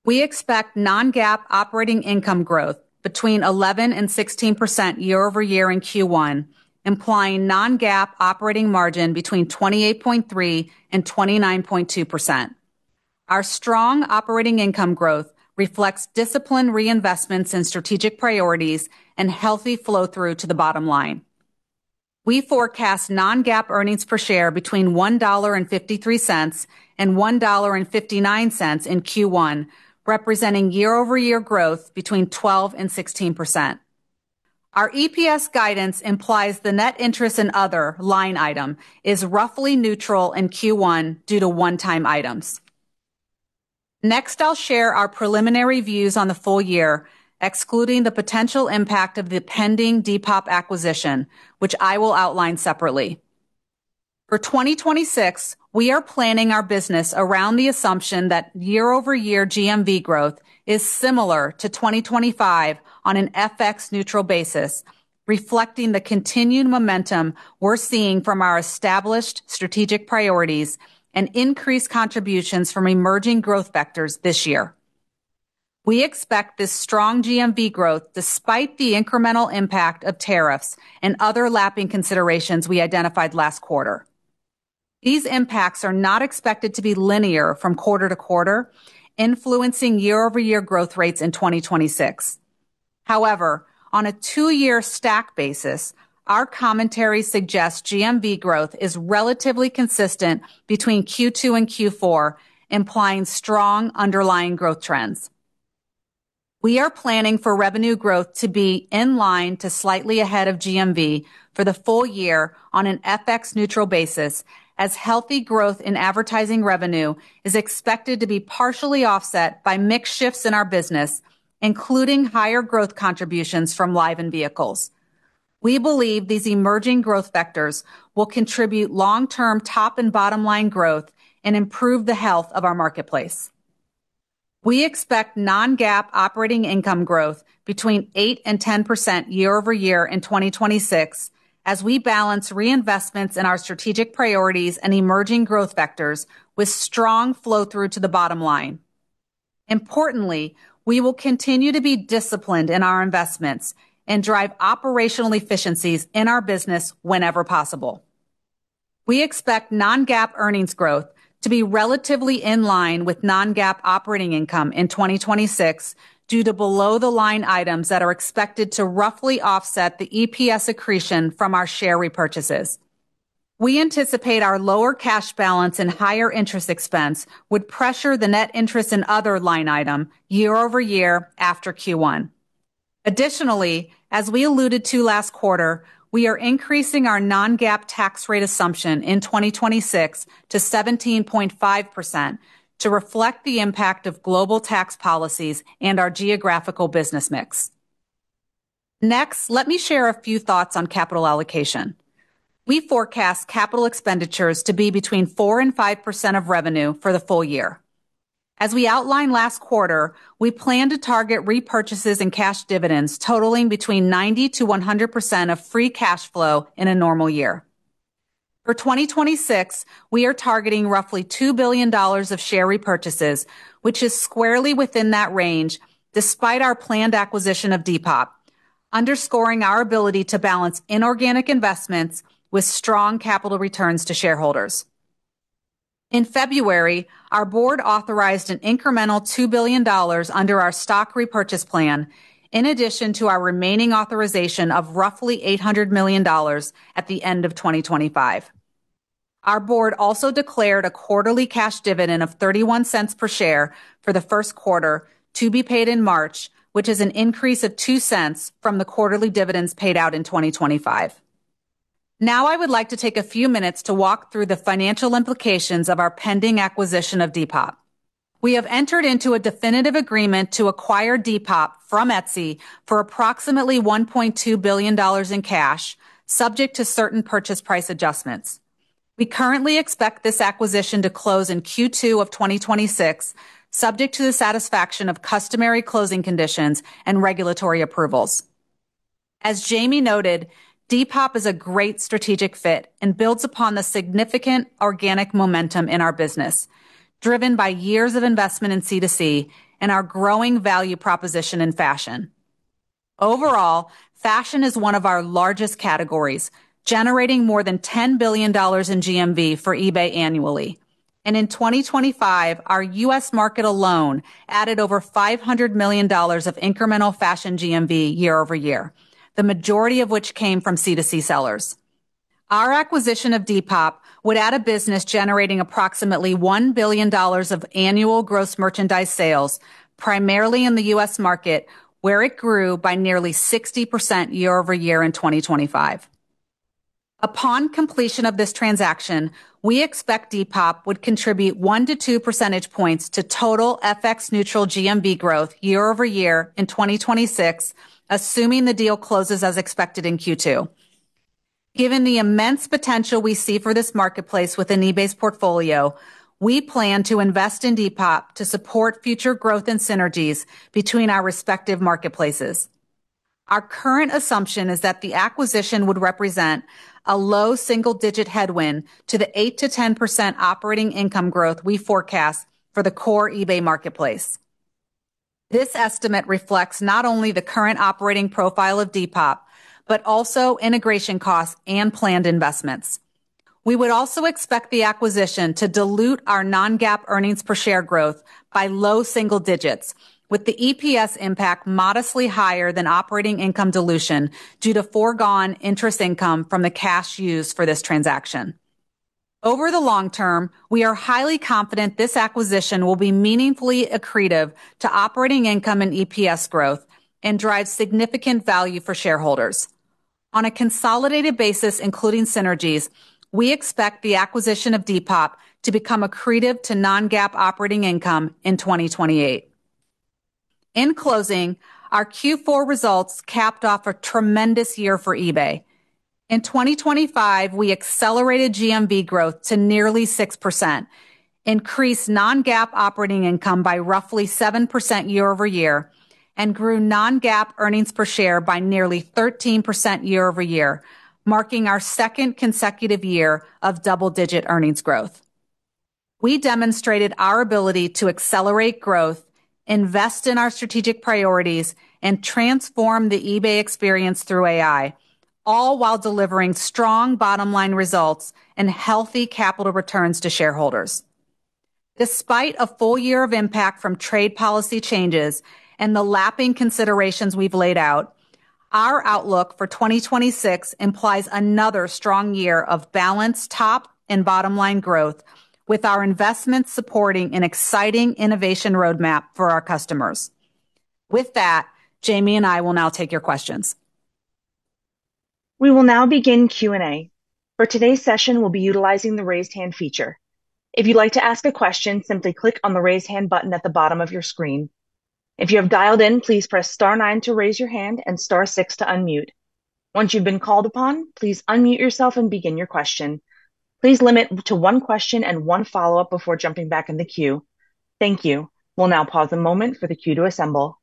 We expect Non-GAAP operating income growth between 11% and 16% year-over-year in Q1, implying Non-GAAP operating margin between 28.3% and 29.2%. Our strong operating income growth reflects disciplined reinvestments in strategic priorities and healthy flow-through to the bottom line. We forecast Non-GAAP earnings per share between $1.53 and $1.59 in Q1, representing year-over-year growth between 12% and 16%.... Our EPS guidance implies the net interest and other line item is roughly neutral in Q1 due to one-time items. Next, I'll share our preliminary views on the full year, excluding the potential impact of the pending Depop acquisition, which I will outline separately. For 2026, we are planning our business around the assumption that year-over-year GMV growth is similar to 2025 on an FX-neutral basis, reflecting the continued momentum we're seeing from our established strategic priorities and increased contributions from emerging growth vectors this year. We expect this strong GMV growth despite the incremental impact of tariffs and other lapping considerations we identified last quarter. These impacts are not expected to be linear from quarter to quarter, influencing year-over-year growth rates in 2026. However, on a two-year stack basis, our commentary suggests GMV growth is relatively consistent between Q2 and Q4, implying strong underlying growth trends. We are planning for revenue growth to be in line to slightly ahead of GMV for the full year on an FX neutral basis, as healthy growth in advertising revenue is expected to be partially offset by mix shifts in our business, including higher growth contributions fromLive and Vehicles. We believe these emerging growth vectors will contribute long-term top and bottom-line growth and improve the health of our marketplace. We expect Non-GAAP operating income growth between 8% and 10% year-over-year in 2026, as we balance reinvestments in our strategic priorities and emerging growth vectors with strong flow-through to the bottom line. Importantly, we will continue to be disciplined in our investments and drive operational efficiencies in our business whenever possible. We expect Non-GAAP earnings growth to be relatively in line with Non-GAAP operating income in 2026 due to below-the-line items that are expected to roughly offset the EPS accretion from our share repurchases. We anticipate our lower cash balance and higher interest expense would pressure the net interest and other line item year-over-year after Q1. Additionally, as we alluded to last quarter, we are increasing our Non-GAAP tax rate assumption in 2026 to 17.5% to reflect the impact of global tax policies and our geographical business mix. Next, let me share a few thoughts on capital allocation. We forecast capital expenditures to be between 4% and 5% of revenue for the full year. As we outlined last quarter, we plan to target repurchases and cash dividends totaling between 90%-100% of free cash flow in a normal year. For 2026, we are targeting roughly $2 billion of share repurchases, which is squarely within that range, despite our planned acquisition of Depop, underscoring our ability to balance inorganic investments with strong capital returns to shareholders. In February, our board authorized an incremental $2 billion under our stock repurchase plan, in addition to our remaining authorization of roughly $800 million at the end of 2025. Our board also declared a quarterly cash dividend of $0.31 per share for the first quarter to be paid in March, which is an increase of $0.02 from the quarterly dividends paid out in 2025. Now, I would like to take a few minutes to walk through the financial implications of our pending acquisition of Depop. We have entered into a definitive agreement to acquire Depop from Etsy for approximately $1.2 billion in cash, subject to certain purchase price adjustments. We currently expect this acquisition to close in Q2 of 2026, subject to the satisfaction of customary closing conditions and regulatory approvals. As Jamie noted, Depop is a great strategic fit and builds upon the significant organic momentum in our business, driven by years of investment in C2C and our growing value proposition in fashion. Overall, fashion is one of our largest categories, generating more than $10 billion in GMV for eBay annually, and in 2025, our U.S. market alone added over $500 million of incremental fashion GMV year-over-year, the majority of which came from C2C sellers. Our acquisition of Depop would add a business generating approximately $1 billion of annual gross merchandise sales, primarily in the U.S. market, where it grew by nearly 60% year-over-year in 2025. Upon completion of this transaction, we expect Depop would contribute 1-2 percentage points to total FX-neutral GMV growth year-over-year in 2026, assuming the deal closes as expected in Q2. Given the immense potential we see for this marketplace within eBay's portfolio, we plan to invest in Depop to support future growth and synergies between our respective marketplaces. Our current assumption is that the acquisition would represent a low single-digit headwind to the 8%-10% operating income growth we forecast for the core eBay marketplace. This estimate reflects not only the current operating profile of Depop, but also integration costs and planned investments. We would also expect the acquisition to dilute our Non-GAAP earnings per share growth by low single digits, with the EPS impact modestly higher than operating income dilution due to foregone interest income from the cash used for this transaction. Over the long term, we are highly confident this acquisition will be meaningfully accretive to operating income and EPS growth and drive significant value for shareholders. On a consolidated basis, including synergies, we expect the acquisition of Depop to become accretive to Non-GAAP operating income in 2028. In closing, our Q4 results capped off a tremendous year for eBay. In 2025, we accelerated GMV growth to nearly 6%, increased Non-GAAP operating income by roughly 7% year-over-year, and grew Non-GAAP earnings per share by nearly 13% year-over-year, marking our second consecutive year of double-digit earnings growth. We demonstrated our ability to accelerate growth, invest in our strategic priorities, and transform the eBay experience through AI, all while delivering strong bottom-line results and healthy capital returns to shareholders. Despite a full year of impact from trade policy changes and the lapping considerations we've laid out, our outlook for 2026 implies another strong year of balanced top and bottom-line growth, with our investments supporting an exciting innovation roadmap for our customers. With that, Jamie and I will now take your questions.
We will now begin Q&A. For today's session, we'll be utilizing the Raise Hand feature. If you'd like to ask a question, simply click on the Raise Hand button at the bottom of your screen. If you have dialed in, please press star nine to raise your hand and star six to unmute. Once you've been called upon, please unmute yourself and begin your question. Please limit to one question and one follow-up before jumping back in the queue. Thank you. We'll now pause a moment for the queue to assemble.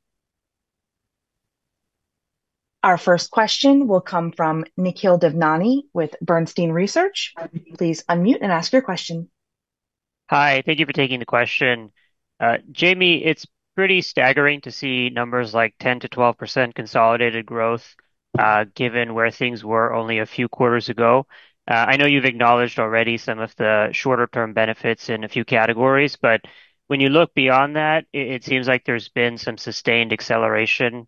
Our first question will come from Nikhil Devnani with Bernstein Research. Please unmute and ask your question.
Hi, thank you for taking the question. Jamie, it's pretty staggering to see numbers like 10%-12% consolidated growth, given where things were only a few quarters ago. I know you've acknowledged already some of the shorter-term benefits in a few categories, but when you look beyond that, it seems like there's been some sustained acceleration,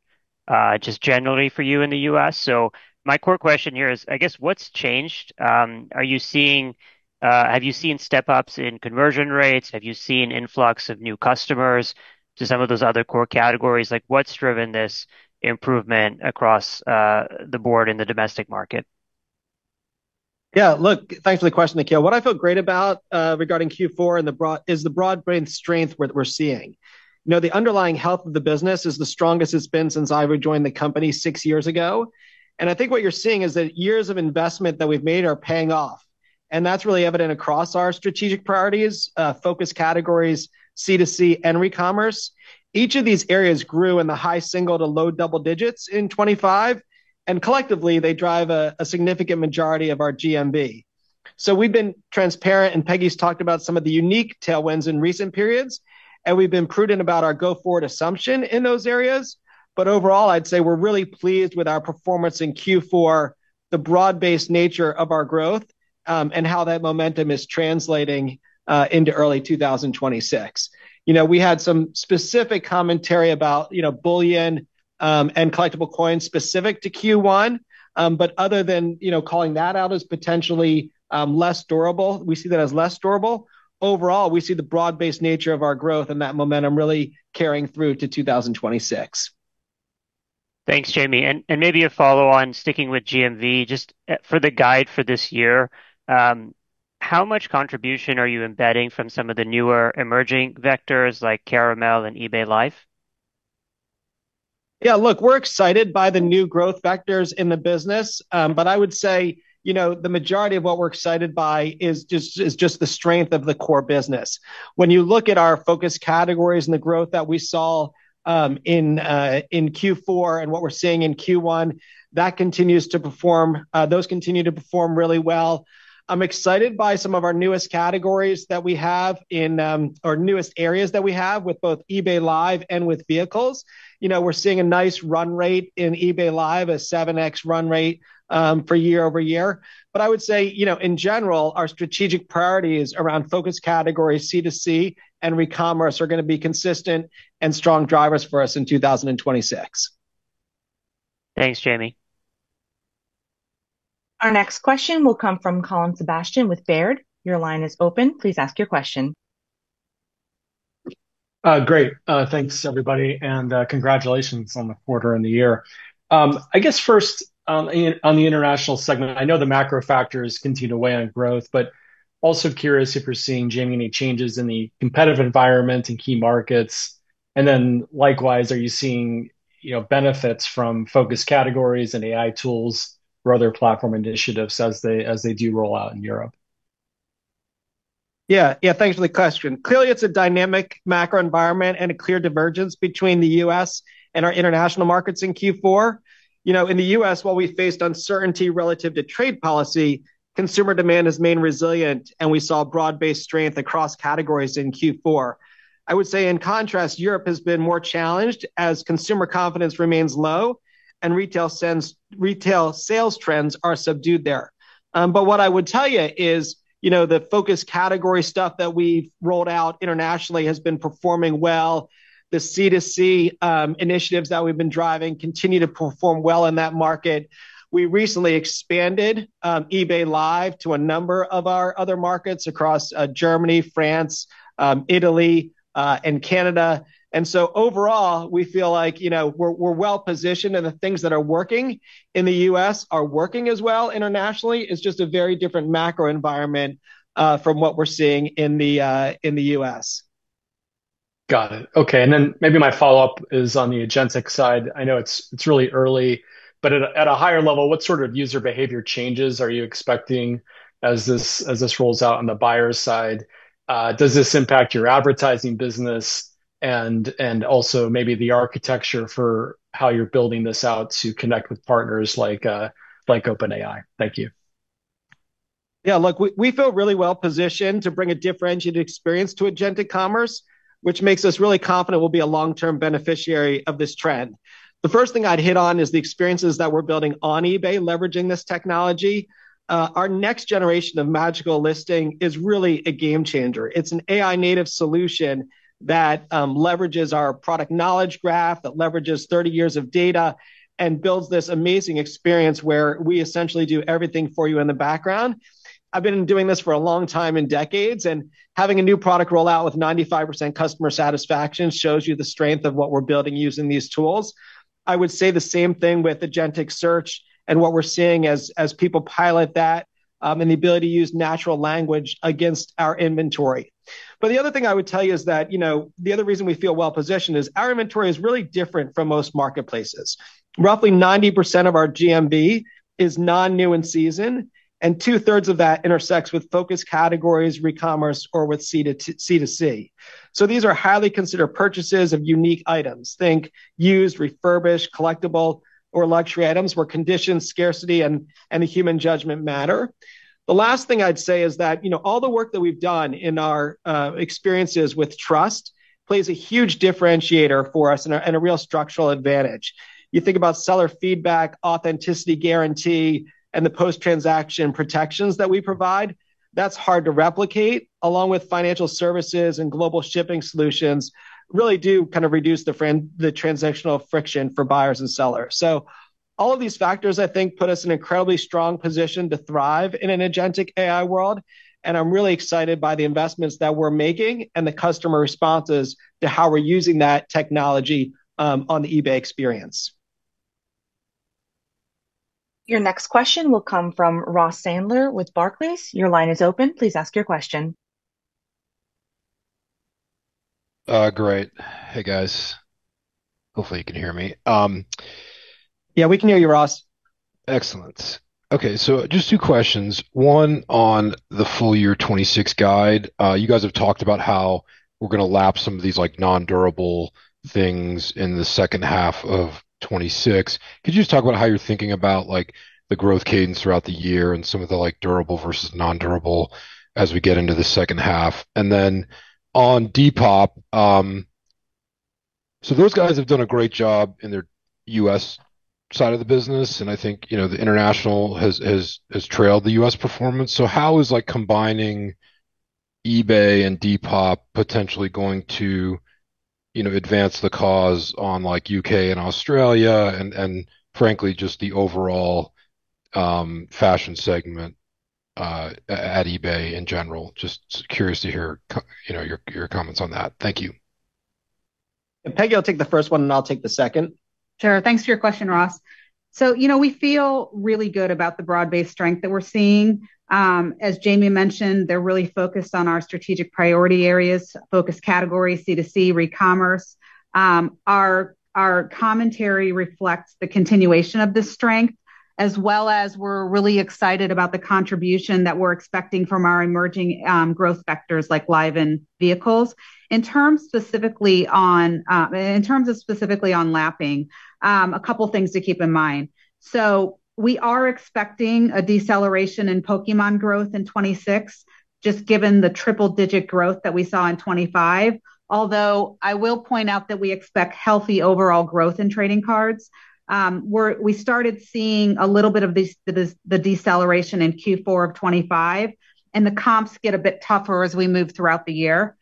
just generally for you in the U.S. So my core question here is, I guess, what's changed? Are you seeing, have you seen step-ups in conversion rates? Have you seen influx of new customers to some of those other core categories? Like, what's driven this improvement across the board in the domestic market?
Yeah, look, thanks for the question, Nikhil. What I feel great about, regarding Q4 and the broad- is the broad-based strength we're seeing. You know, the underlying health of the business is the strongest it's been since I joined the company six years ago, and I think what you're seeing is that years of investment that we've made are paying off, and that's really evident across our strategic Focus Categories, C2C, and recommerce. Each of these areas grew in the high single to low double digits in 2025, and collectively, they drive a significant majority of our GMV. So we've been transparent, and Peggy's talked about some of the unique tailwinds in recent periods, and we've been prudent about our go-forward assumption in those areas. But overall, I'd say we're really pleased with our performance in Q4, the broad-based nature of our growth, and how that momentum is translating into early 2026. You know, we had some specific commentary about, you know, bullion, and collectible coins specific to Q1, but other than, you know, calling that out as potentially less durable, we see that as less durable, overall, we see the broad-based nature of our growth and that momentum really carrying through to 2026.
Thanks, Jamie. And maybe a follow-on, sticking with GMV, just for the guide for this year, how much contribution are you embedding from some of the newer emerging vectors like Caramel and eBay Live?
Yeah, look, we're excited by the new growth vectors in the business, but I would say, you know, the majority of what we're excited by is just the strength of the core business. When you look at Focus Categories and the growth that we saw in Q4 and what we're seeing in Q1, that continues to perform—those continue to perform really well. I'm excited by some of our newest categories that we have in or newest areas that we have with both eBay Live and with Vehicles. You know, we're seeing a nice run rate in eBay Live, a 7x run rate for year-over-year. But I would say, you know, in general, our strategic priorities Focus Categories C2C and recommerce are gonna be consistent and strong drivers for us in 2026.
Thanks, Jamie.
Our next question will come from Colin Sebastian with Baird. Your line is open. Please ask your question.
Great. Thanks, everybody, and congratulations on the quarter and the year. I guess first, in, on the international segment, I know the macro factors continue to weigh on growth, but also curious if you're seeing, Jamie, any changes in the competitive environment in key markets. And then likewise, are you seeing, you know, benefits Focus Categories and AI tools or other platform initiatives as they, as they do roll out in Europe?
Yeah, yeah, thanks for the question. Clearly, it's a dynamic macro environment and a clear divergence between the U.S. and our international markets in Q4. You know, in the U.S., while we faced uncertainty relative to trade policy, consumer demand has remained resilient, and we saw broad-based strength across categories in Q4. I would say, in contrast, Europe has been more challenged as consumer confidence remains low and retail sales trends are subdued there. What I would tell you is, you know, the Focus Categories stuff that we've rolled out internationally has been performing well. The C2C initiatives that we've been driving continue to perform well in that market. We recently expanded eBay Live to a number of our other markets across Germany, France, Italy, and Canada. Overall, we feel like, you know, we're well-positioned, and the things that are working in the U.S. are working as well internationally. It's just a very different macro environment from what we're seeing in the U.S.
Got it. Okay, and then maybe my follow-up is on the agentic side. I know it's, it's really early, but at a, at a higher level, what sort of user behavior changes are you expecting as this, as this rolls out on the buyer's side? Does this impact your advertising business and, and also maybe the architecture for how you're building this out to connect with partners like, uh, like OpenAI? Thank you.
Yeah, look, we, we feel really well-positioned to bring a differentiated experience to agentic commerce, which makes us really confident we'll be a long-term beneficiary of this trend. The first thing I'd hit on is the experiences that we're building on eBay, leveraging this technology. Our next generation Magical Listing is really a game changer. It's an AI-native solution that leverages our product knowledge graph, that leverages 30 years of data, and builds this amazing experience where we essentially do everything for you in the background. I've been doing this for a long time, in decades, and having a new product roll out with 95% customer satisfaction shows you the strength of what we're building using these tools. I would say the same thing with agentic search and what we're seeing as people pilot that, and the ability to use natural language against our inventory. But the other thing I would tell you is that, you know, the other reason we feel well-positioned is our inventory is really different from most marketplaces. Roughly 90% of our GMV is non-new and season, and 2/3 of that intersects Focus Categories, recommerce, or with C2C. So these are highly considered purchases of unique items, think used, refurbished, collectible, or luxury items, where condition, scarcity, and human judgment matter. The last thing I'd say is that, you know, all the work that we've done in our experiences with trust plays a huge differentiator for us and a real structural advantage. You think about seller feedback, Authenticity Guarantee, and the post-transaction protections that we provide. That's hard to replicate, along with financial services and global shipping solutions, really do kind of reduce the transactional friction for buyers and sellers. So all of these factors, I think, put us in an incredibly strong position to thrive in an agentic AI world, and I'm really excited by the investments that we're making and the customer responses to how we're using that technology on the eBay experience.
Your next question will come from Ross Sandler with Barclays. Your line is open. Please ask your question.
Great. Hey, guys. Hopefully you can hear me.
Yeah, we can hear you, Ross.
Excellent. Okay, so just two questions. One, on the full year 2026 guide, you guys have talked about how we're gonna lap some of these, like, non-durable things in the second half of 2026. Could you just talk about how you're thinking about, like, the growth cadence throughout the year and some of the, like, durable versus non-durable as we get into the second half? And then on Depop, so those guys have done a great job in their U.S. side of the business, and I think, you know, the international has trailed the U.S. performance. So how is, like, combining eBay and Depop potentially going to, you know, advance the cause on, like, U.K. and Australia and, and frankly, just the overall fashion segment at eBay in general? Just curious to hear, you know, your comments on that. Thank you.
Peggy, you'll take the first one, and I'll take the second.
Sure. Thanks for your question, Ross. So, you know, we feel really good about the broad-based strength that we're seeing. As Jamie mentioned, they're really focused on our strategic priority Focus Categories, C2C, recommerce. Our commentary reflects the continuation of this strength, as well as we're really excited about the contribution that we're expecting from our emerging growth vectors, likeLive and Vehicles. In terms specifically on lapping, a couple things to keep in mind. So we are expecting a deceleration in Pokémon growth in 2026, just given the triple-digit growth that we saw in 2025. Although, I will point out that we expect healthy overall growth in trading cards. We started seeing a little bit of this, the deceleration in Q4 of 2025, and the comps get a bit tougher as we move throughout the year.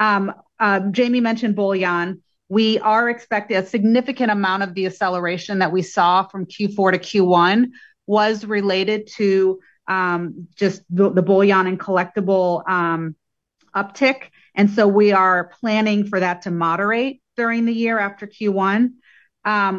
Jamie mentioned bullion. We are expecting a significant amount of the acceleration that we saw from Q4 to Q1 was related to just the bullion and collectible uptick, and so we are planning for that to moderate during the year after Q1.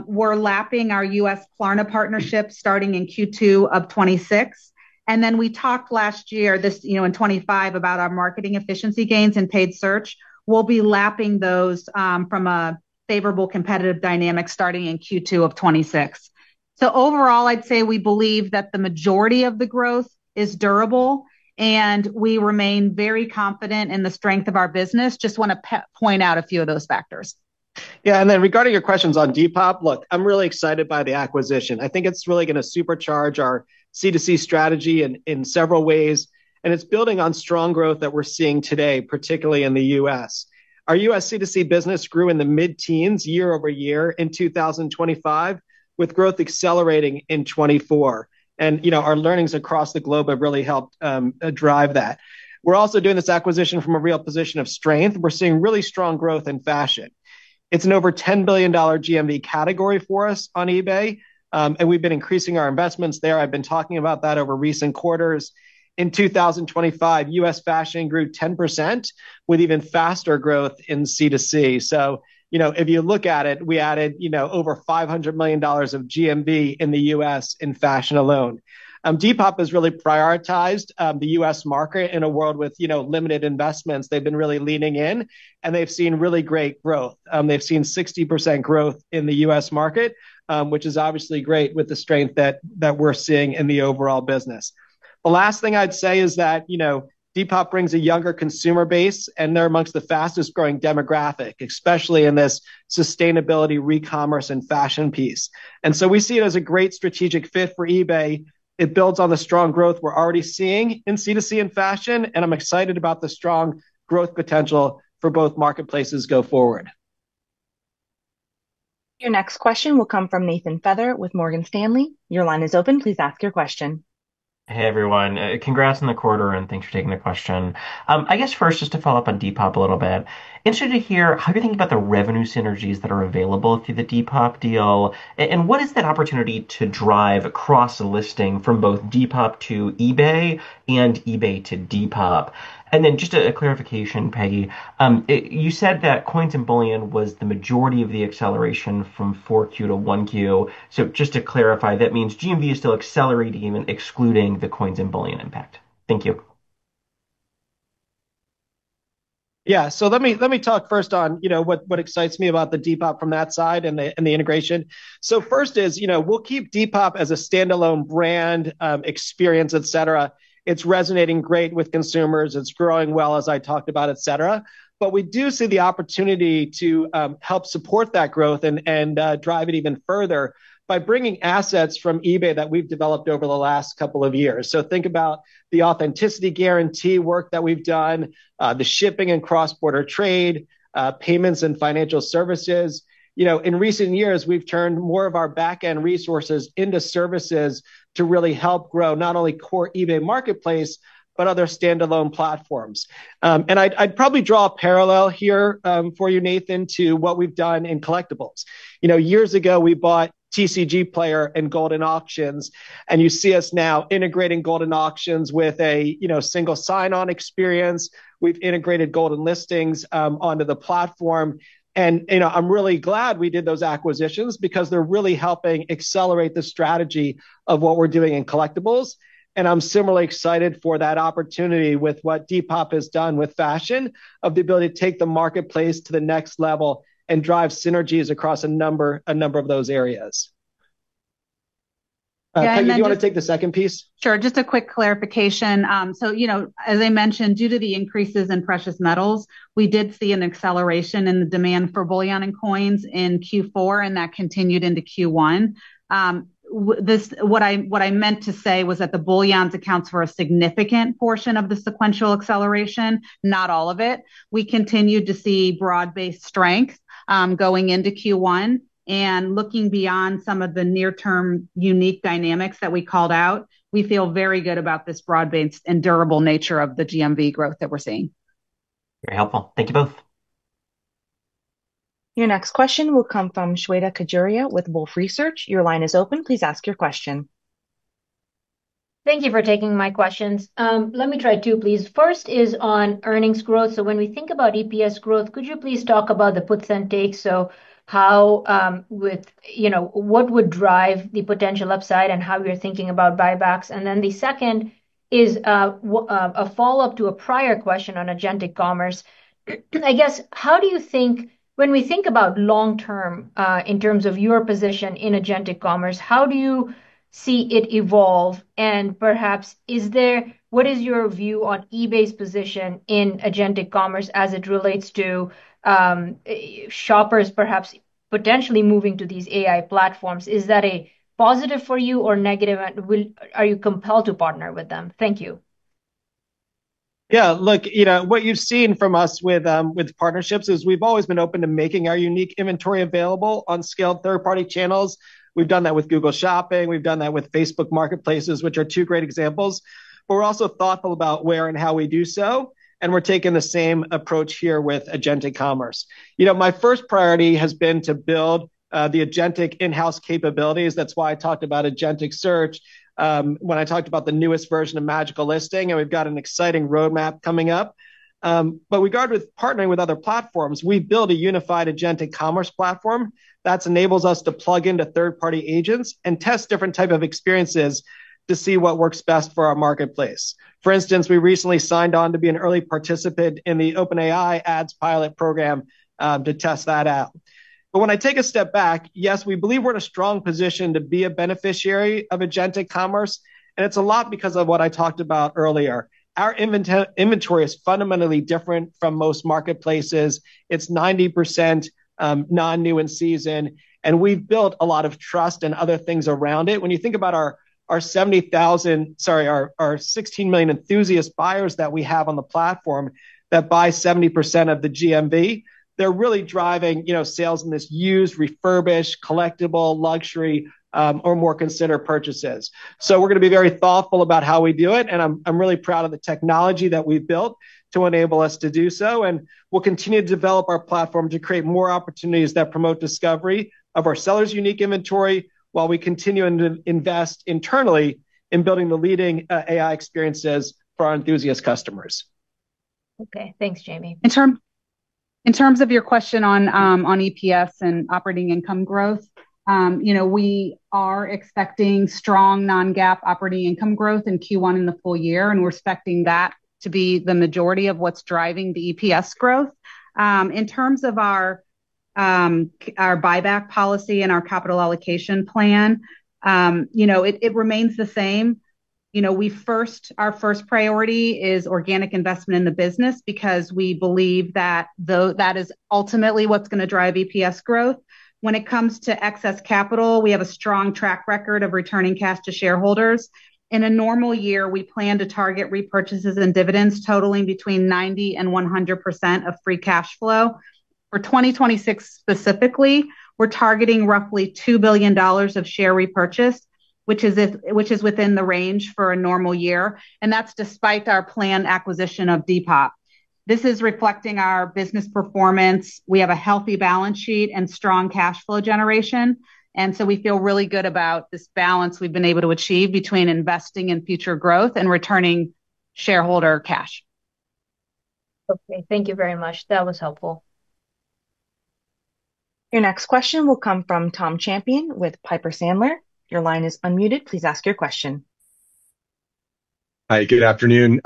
We're lapping our U.S. Klarna partnership starting in Q2 of 2026. And then we talked last year, this, you know, in 2025, about our marketing efficiency gains and paid search. We'll be lapping those from a favorable competitive dynamic starting in Q2 of 2026. So overall, I'd say we believe that the majority of the growth is durable, and we remain very confident in the strength of our business. Just want to point out a few of those factors....
Yeah, and then regarding your questions on Depop, look, I'm really excited by the acquisition. I think it's really gonna supercharge our C2C strategy in several ways, and it's building on strong growth that we're seeing today, particularly in the U.S. Our U.S. C2C business grew in the mid-teens year-over-year in 2025, with growth accelerating in 2024. And, you know, our learnings across the globe have really helped drive that. We're also doing this acquisition from a real position of strength. We're seeing really strong growth in fashion. It's an over $10 billion GMV category for us on eBay, and we've been increasing our investments there. I've been talking about that over recent quarters. In 2025, U.S. fashion grew 10%, with even faster growth in C2C. So you know, if you look at it, we added, you know, over $500 million of GMV in the U.S. in fashion alone. Depop has really prioritized the U.S. market in a world with, you know, limited investments. They've been really leaning in, and they've seen really great growth. They've seen 60% growth in the U.S. market, which is obviously great with the strength that, that we're seeing in the overall business. The last thing I'd say is that, you know, Depop brings a younger consumer base, and they're amongst the fastest-growing demographic, especially in this sustainability, recommerce, and fashion piece. And so we see it as a great strategic fit for eBay. It builds on the strong growth we're already seeing in C2C and fashion, and I'm excited about the strong growth potential for both marketplaces go forward.
Your next question will come from Nathan Feather with Morgan Stanley. Your line is open. Please ask your question.
Hey, everyone. Congrats on the quarter, and thanks for taking the question. I guess first, just to follow up on Depop a little bit, interested to hear how you're thinking about the revenue synergies that are available through the Depop deal, and what is that opportunity to drive across the listing from both Depop to eBay and eBay to Depop? And then just a clarification, Peggy. You said that coins and bullion was the majority of the acceleration from Q4 to Q1. So just to clarify, that means GMV is still accelerating even excluding the coins and bullion impact? Thank you.
Yeah, let me talk first on, you know, what excites me about Depop from that side and the integration. First is, you know, we'll keep Depop as a standalone brand, experience, et cetera. It's resonating great with consumers. It's growing well, as I talked about, et cetera. We do see the opportunity to help support that growth and drive it even further by bringing assets from eBay that we've developed over the last couple of years. Think about the Authenticity Guarantee work that we've done, the shipping and cross-border trade, payments and financial services. You know, in recent years, we've turned more of our back-end resources into services to really help grow not only core eBay marketplace, but other standalone platforms. And I'd probably draw a parallel here for you, Nathan, to what we've done in collectibles. You know, years ago, we bought TCGplayer and Goldin Auctions, and you see us now integrating Goldin Auctions with a single sign-on experience. We've integrated Goldin listings onto the platform, and, you know, I'm really glad we did those acquisitions because they're really helping accelerate the strategy of what we're doing in collectibles. And I'm similarly excited for that opportunity with what Depop has done with fashion, of the ability to take the marketplace to the next level and drive synergies across a number of those areas. Peggy, do you want to take the second piece?
Sure. Just a quick clarification. So you know, as I mentioned, due to the increases in precious metals, we did see an acceleration in the demand for bullion and coins in Q4, and that continued into Q1. What I meant to say was that the bullion accounts for a significant portion of the sequential acceleration, not all of it. We continued to see broad-based strength, going into Q1. And looking beyond some of the near-term unique dynamics that we called out, we feel very good about this broad-based and durable nature of the GMV growth that we're seeing.
Very helpful. Thank you both.
Your next question will come from Shweta Khajuria with Wolfe Research. Your line is open. Please ask your question.
Thank you for taking my questions. Let me try two, please. First is on earnings growth. When we think about EPS growth, could you please talk about the puts and takes? How, with... you know, what would drive the potential upside and how we're thinking about buybacks. The second is, a follow-up to a prior question on agentic commerce. I guess, how do you think-- when we think about long term, in terms of your position in agentic commerce, how do you see it evolve? Perhaps is there-- what is your view on eBay's position in agentic commerce as it relates to, you know, shoppers perhaps potentially moving to these AI platforms? Is that a positive for you or negative, and will-- are you compelled to partner with them? Thank you.
Yeah, look, you know, what you've seen from us with partnerships is we've always been open to making our unique inventory available on scaled third-party channels. We've done that with Google Shopping, we've done that with Facebook Marketplace, which are two great examples, but we're also thoughtful about where and how we do so, and we're taking the same approach here with agentic commerce. You know, my first priority has been to build, you know, the agentic in-house capabilities. That's why I talked about agentic search, you know, when I talked about the newest version Magical Listing, and we've got an exciting roadmap coming up. You know, but regard with partnering with other platforms, we build a unified agentic commerce platform that enables us to plug into third-party agents and test different type of experiences to see what works best for our marketplace. For instance, we recently signed on to be an early participant in the OpenAI Ads Pilot Program to test that out. But when I take a step back, yes, we believe we're in a strong position to be a beneficiary of agentic commerce, and it's a lot because of what I talked about earlier. Our inventory is fundamentally different from most marketplaces. It's 90% non-new and seasonal, and we've built a lot of trust and other things around it. When you think about our, our 70,000 - sorry, our, our 16 million enthusiast buyers that we have on the platform, that buy 70% of the GMV, they're really driving, you know, sales in this used, refurbished, collectible, luxury or more considered purchases. So we're gonna be very thoughtful about how we do it, and I'm really proud of the technology that we've built to enable us to do so, and we'll continue to develop our platform to create more opportunities that promote discovery of our sellers' unique inventory while we continue and to invest internally in building the leading AI experiences for our enthusiast customers.
Okay. Thanks, Jamie.
In terms of your question on EPS and operating income growth, you know, we are expecting strong Non-GAAP operating income growth in Q1 in the full year, and we're expecting that to be the majority of what's driving the EPS growth. In terms of our buyback policy and our capital allocation plan, you know, it remains the same. You know, our first priority is organic investment in the business because we believe that that is ultimately what's gonna drive EPS growth. When it comes to excess capital, we have a strong track record of returning cash to shareholders. In a normal year, we plan to target repurchases and dividends totaling between 90% and 100% of free cash flow. For 2026 specifically, we're targeting roughly $2 billion of share repurchase, which is within the range for a normal year, and that's despite our planned acquisition of Depop. This is reflecting our business performance. We have a healthy balance sheet and strong cash flow generation, and so we feel really good about this balance we've been able to achieve between investing in future growth and returning shareholder cash.
Okay, thank you very much. That was helpful.
Your next question will come from Tom Champion with Piper Sandler. Your line is unmuted. Please ask your question.
Hi, good afternoon.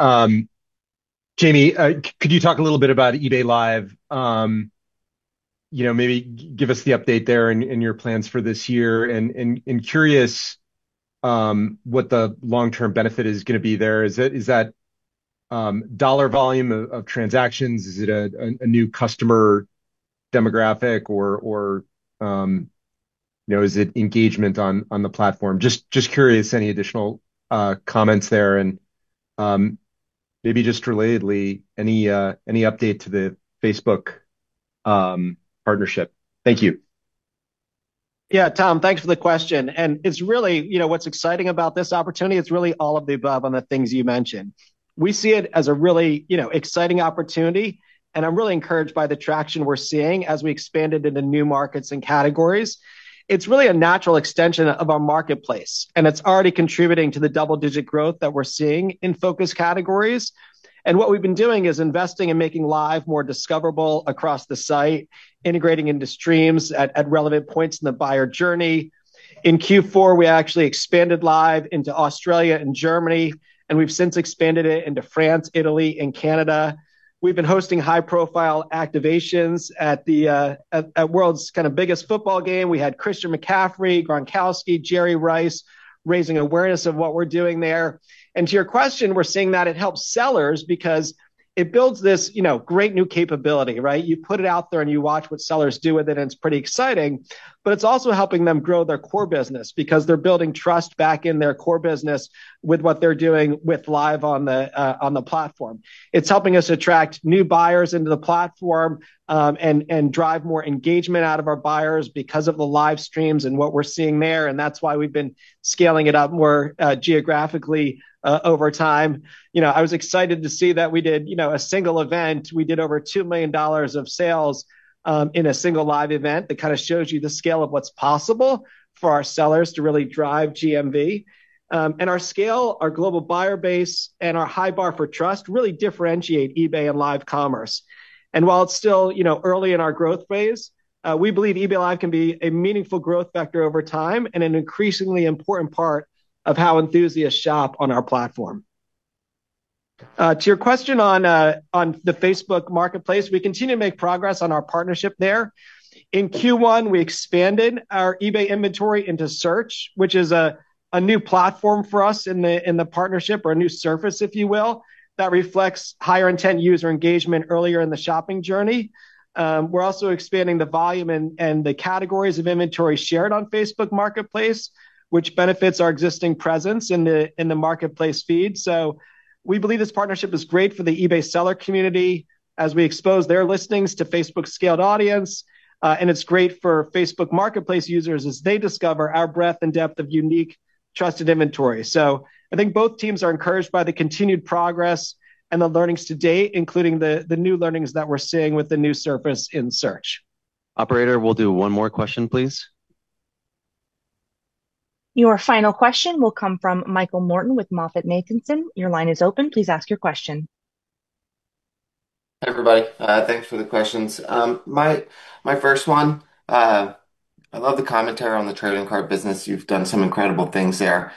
Jamie, could you talk a little bit about eBay Live? You know, maybe give us the update there and curious what the long-term benefit is gonna be there. Is it dollar volume of transactions? Is it a new customer demographic or you know, is it engagement on the platform? Just curious, any additional comments there and maybe just relatedly, any update to the Facebook partnership? Thank you.
Yeah, Tom, thanks for the question, and it's really, you know, what's exciting about this opportunity, it's really all of the above on the things you mentioned. We see it as a really, you know, exciting opportunity, and I'm really encouraged by the traction we're seeing as we expanded into new markets and categories. It's really a natural extension of our marketplace, and it's already contributing to the double-digit growth that we're seeing Focus Categories. and what we've been doing is investing in making Live more discoverable across the site, integrating into streams at relevant points in the buyer journey. In Q4, we actually expanded Live into Australia and Germany, and we've since expanded it into France, Italy, and Canada. We've been hosting high-profile activations at the world's kind of biggest football game. We had Christian McCaffrey, Gronkowski, Jerry Rice, raising awareness of what we're doing there. And to your question, we're seeing that it helps sellers because it builds this, you know, great new capability, right? You put it out there, and you watch what sellers do with it, and it's pretty exciting. But it's also helping them grow their core business because they're building trust back in their core business with what they're doing with Live on the platform. It's helping us attract new buyers into the platform, and drive more engagement out of our buyers because of the live streams and what we're seeing there, and that's why we've been scaling it up more geographically over time. You know, I was excited to see that we did, you know, a single event. We did over $2 million of sales in a single live event. That kind of shows you the scale of what's possible for our sellers to really drive GMV. And our scale, our global buyer base, and our high bar for trust really differentiate eBay and live commerce. And while it's still, you know, early in our growth phase, we believe eBay Live can be a meaningful growth factor over time and an increasingly important part of how enthusiasts shop on our platform. To your question on the Facebook Marketplace, we continue to make progress on our partnership there. In Q1, we expanded our eBay inventory into Search, which is a new platform for us in the partnership, or a new surface, if you will, that reflects higher-intent user engagement earlier in the shopping journey. We're also expanding the volume and the categories of inventory shared on Facebook Marketplace, which benefits our existing presence in the Marketplace feed. So we believe this partnership is great for the eBay seller community as we expose their listings to Facebook's scaled audience, and it's great for Facebook Marketplace users as they discover our breadth and depth of unique, trusted inventory. So I think both teams are encouraged by the continued progress and the learnings to date, including the new learnings that we're seeing with the new surface in search.
Operator, we'll do one more question, please.
Your final question will come from Michael Morton with MoffettNathanson. Your line is open. Please ask your question....
Hi, everybody. Thanks for the questions. My, my first one, I love the commentary on the trading card business. You've done some incredible things there.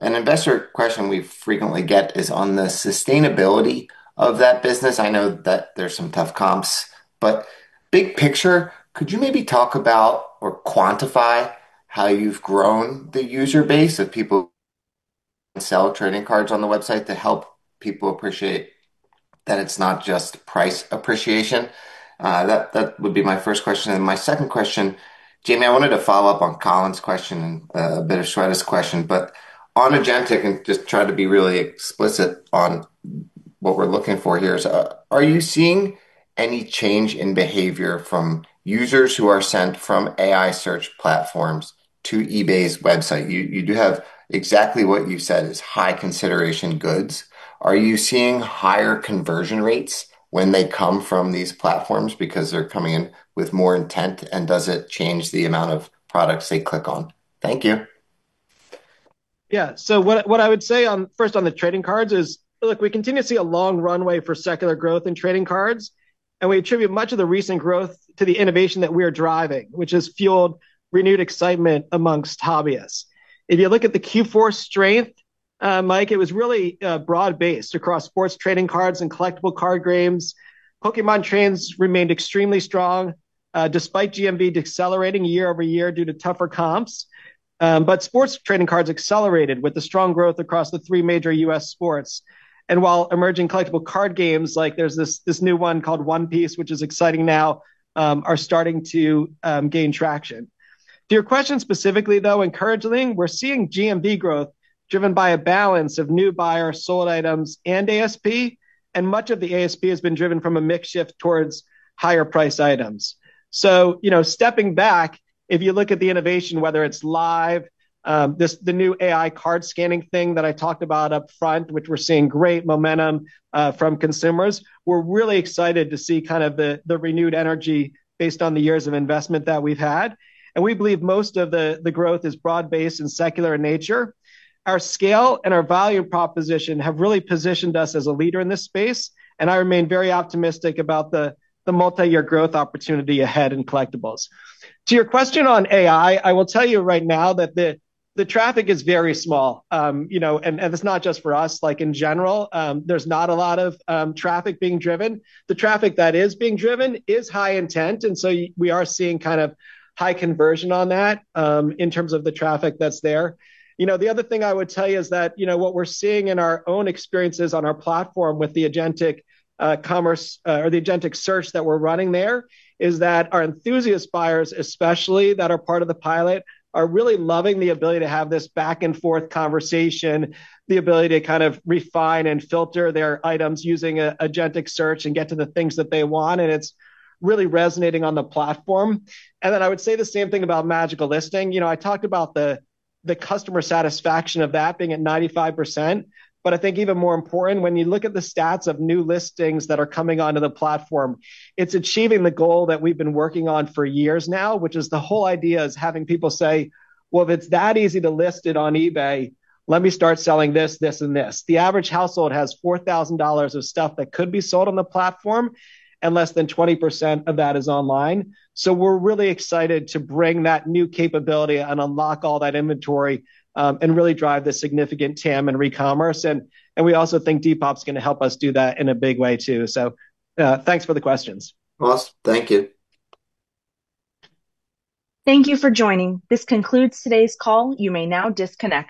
An investor question we frequently get is on the sustainability of that business. I know that there's some tough comps, but big picture, could you maybe talk about or quantify how you've grown the user base of people who sell trading cards on the website to help people appreciate that it's not just price appreciation? That, that would be my first question. And my second question, Jamie, I wanted to follow up on Colin's question and, a bit of Shweta's question, but on agentic, and just try to be really explicit on what we're looking for here, is, are you seeing any change in behavior from users who are sent from AI search platforms to eBay's website? You do have exactly what you said is high-consideration goods. Are you seeing higher conversion rates when they come from these platforms because they're coming in with more intent, and does it change the amount of products they click on? Thank you.
Yeah. What I would say on, first, on the trading cards is, look, we continue to see a long runway for secular growth in trading cards, and we attribute much of the recent growth to the innovation that we are driving, which has fueled renewed excitement amongst hobbyists. If you look at the Q4 strength, Mike, it was really broad-based across sports trading cards and collectible card games. Pokémon trends remained extremely strong, despite GMV decelerating year-over-year due to tougher comps. Sports trading cards accelerated with the strong growth across the three major U.S. sports, and while emerging collectible card games, like there's this new one called One Piece, which is exciting now, are starting to gain traction. To your question specifically, though, encouraging, we're seeing GMV growth driven by a balance of new buyers, sold items, and ASP, and much of the ASP has been driven from a mix shift towards higher-priced items. So, you know, stepping back, if you look at the innovation, whether it's live, this, the new AI card scanning thing that I talked about up front, which we're seeing great momentum from consumers, we're really excited to see kind of the renewed energy based on the years of investment that we've had. And we believe most of the growth is broad-based and secular in nature. Our scale and our value proposition have really positioned us as a leader in this space, and I remain very optimistic about the multi-year growth opportunity ahead in collectibles. To your question on AI, I will tell you right now that the traffic is very small. You know, and it's not just for us, like, in general. There's not a lot of traffic being driven. The traffic that is being driven is high intent, and so we are seeing kind of high conversion on that, in terms of the traffic that's there. You know, the other thing I would tell you is that, you know, what we're seeing in our own experiences on our platform with the agentic commerce or the agentic search that we're running there, is that our enthusiast buyers, especially, that are part of the pilot, are really loving the ability to have this back-and-forth conversation, the ability to kind of refine and filter their items using an agentic search and get to the things that they want, and it's really resonating on the platform. And then I would say the same thing about Magical Listing. You know, I talked about the customer satisfaction of that being at 95%, but I think even more important, when you look at the stats of new listings that are coming onto the platform, it's achieving the goal that we've been working on for years now, which is the whole idea is having people say: "Well, if it's that easy to list it on eBay, let me start selling this, this, and this." The average household has $4,000 of stuff that could be sold on the platform, and less than 20% of that is online. We're really excited to bring that new capability and unlock all that inventory, and really drive the significant TAM in recommerce. We also think Depop's gonna help us do that in a big way, too. Thanks for the questions.
Awesome. Thank you.
Thank you for joining. This concludes today's call. You may now disconnect.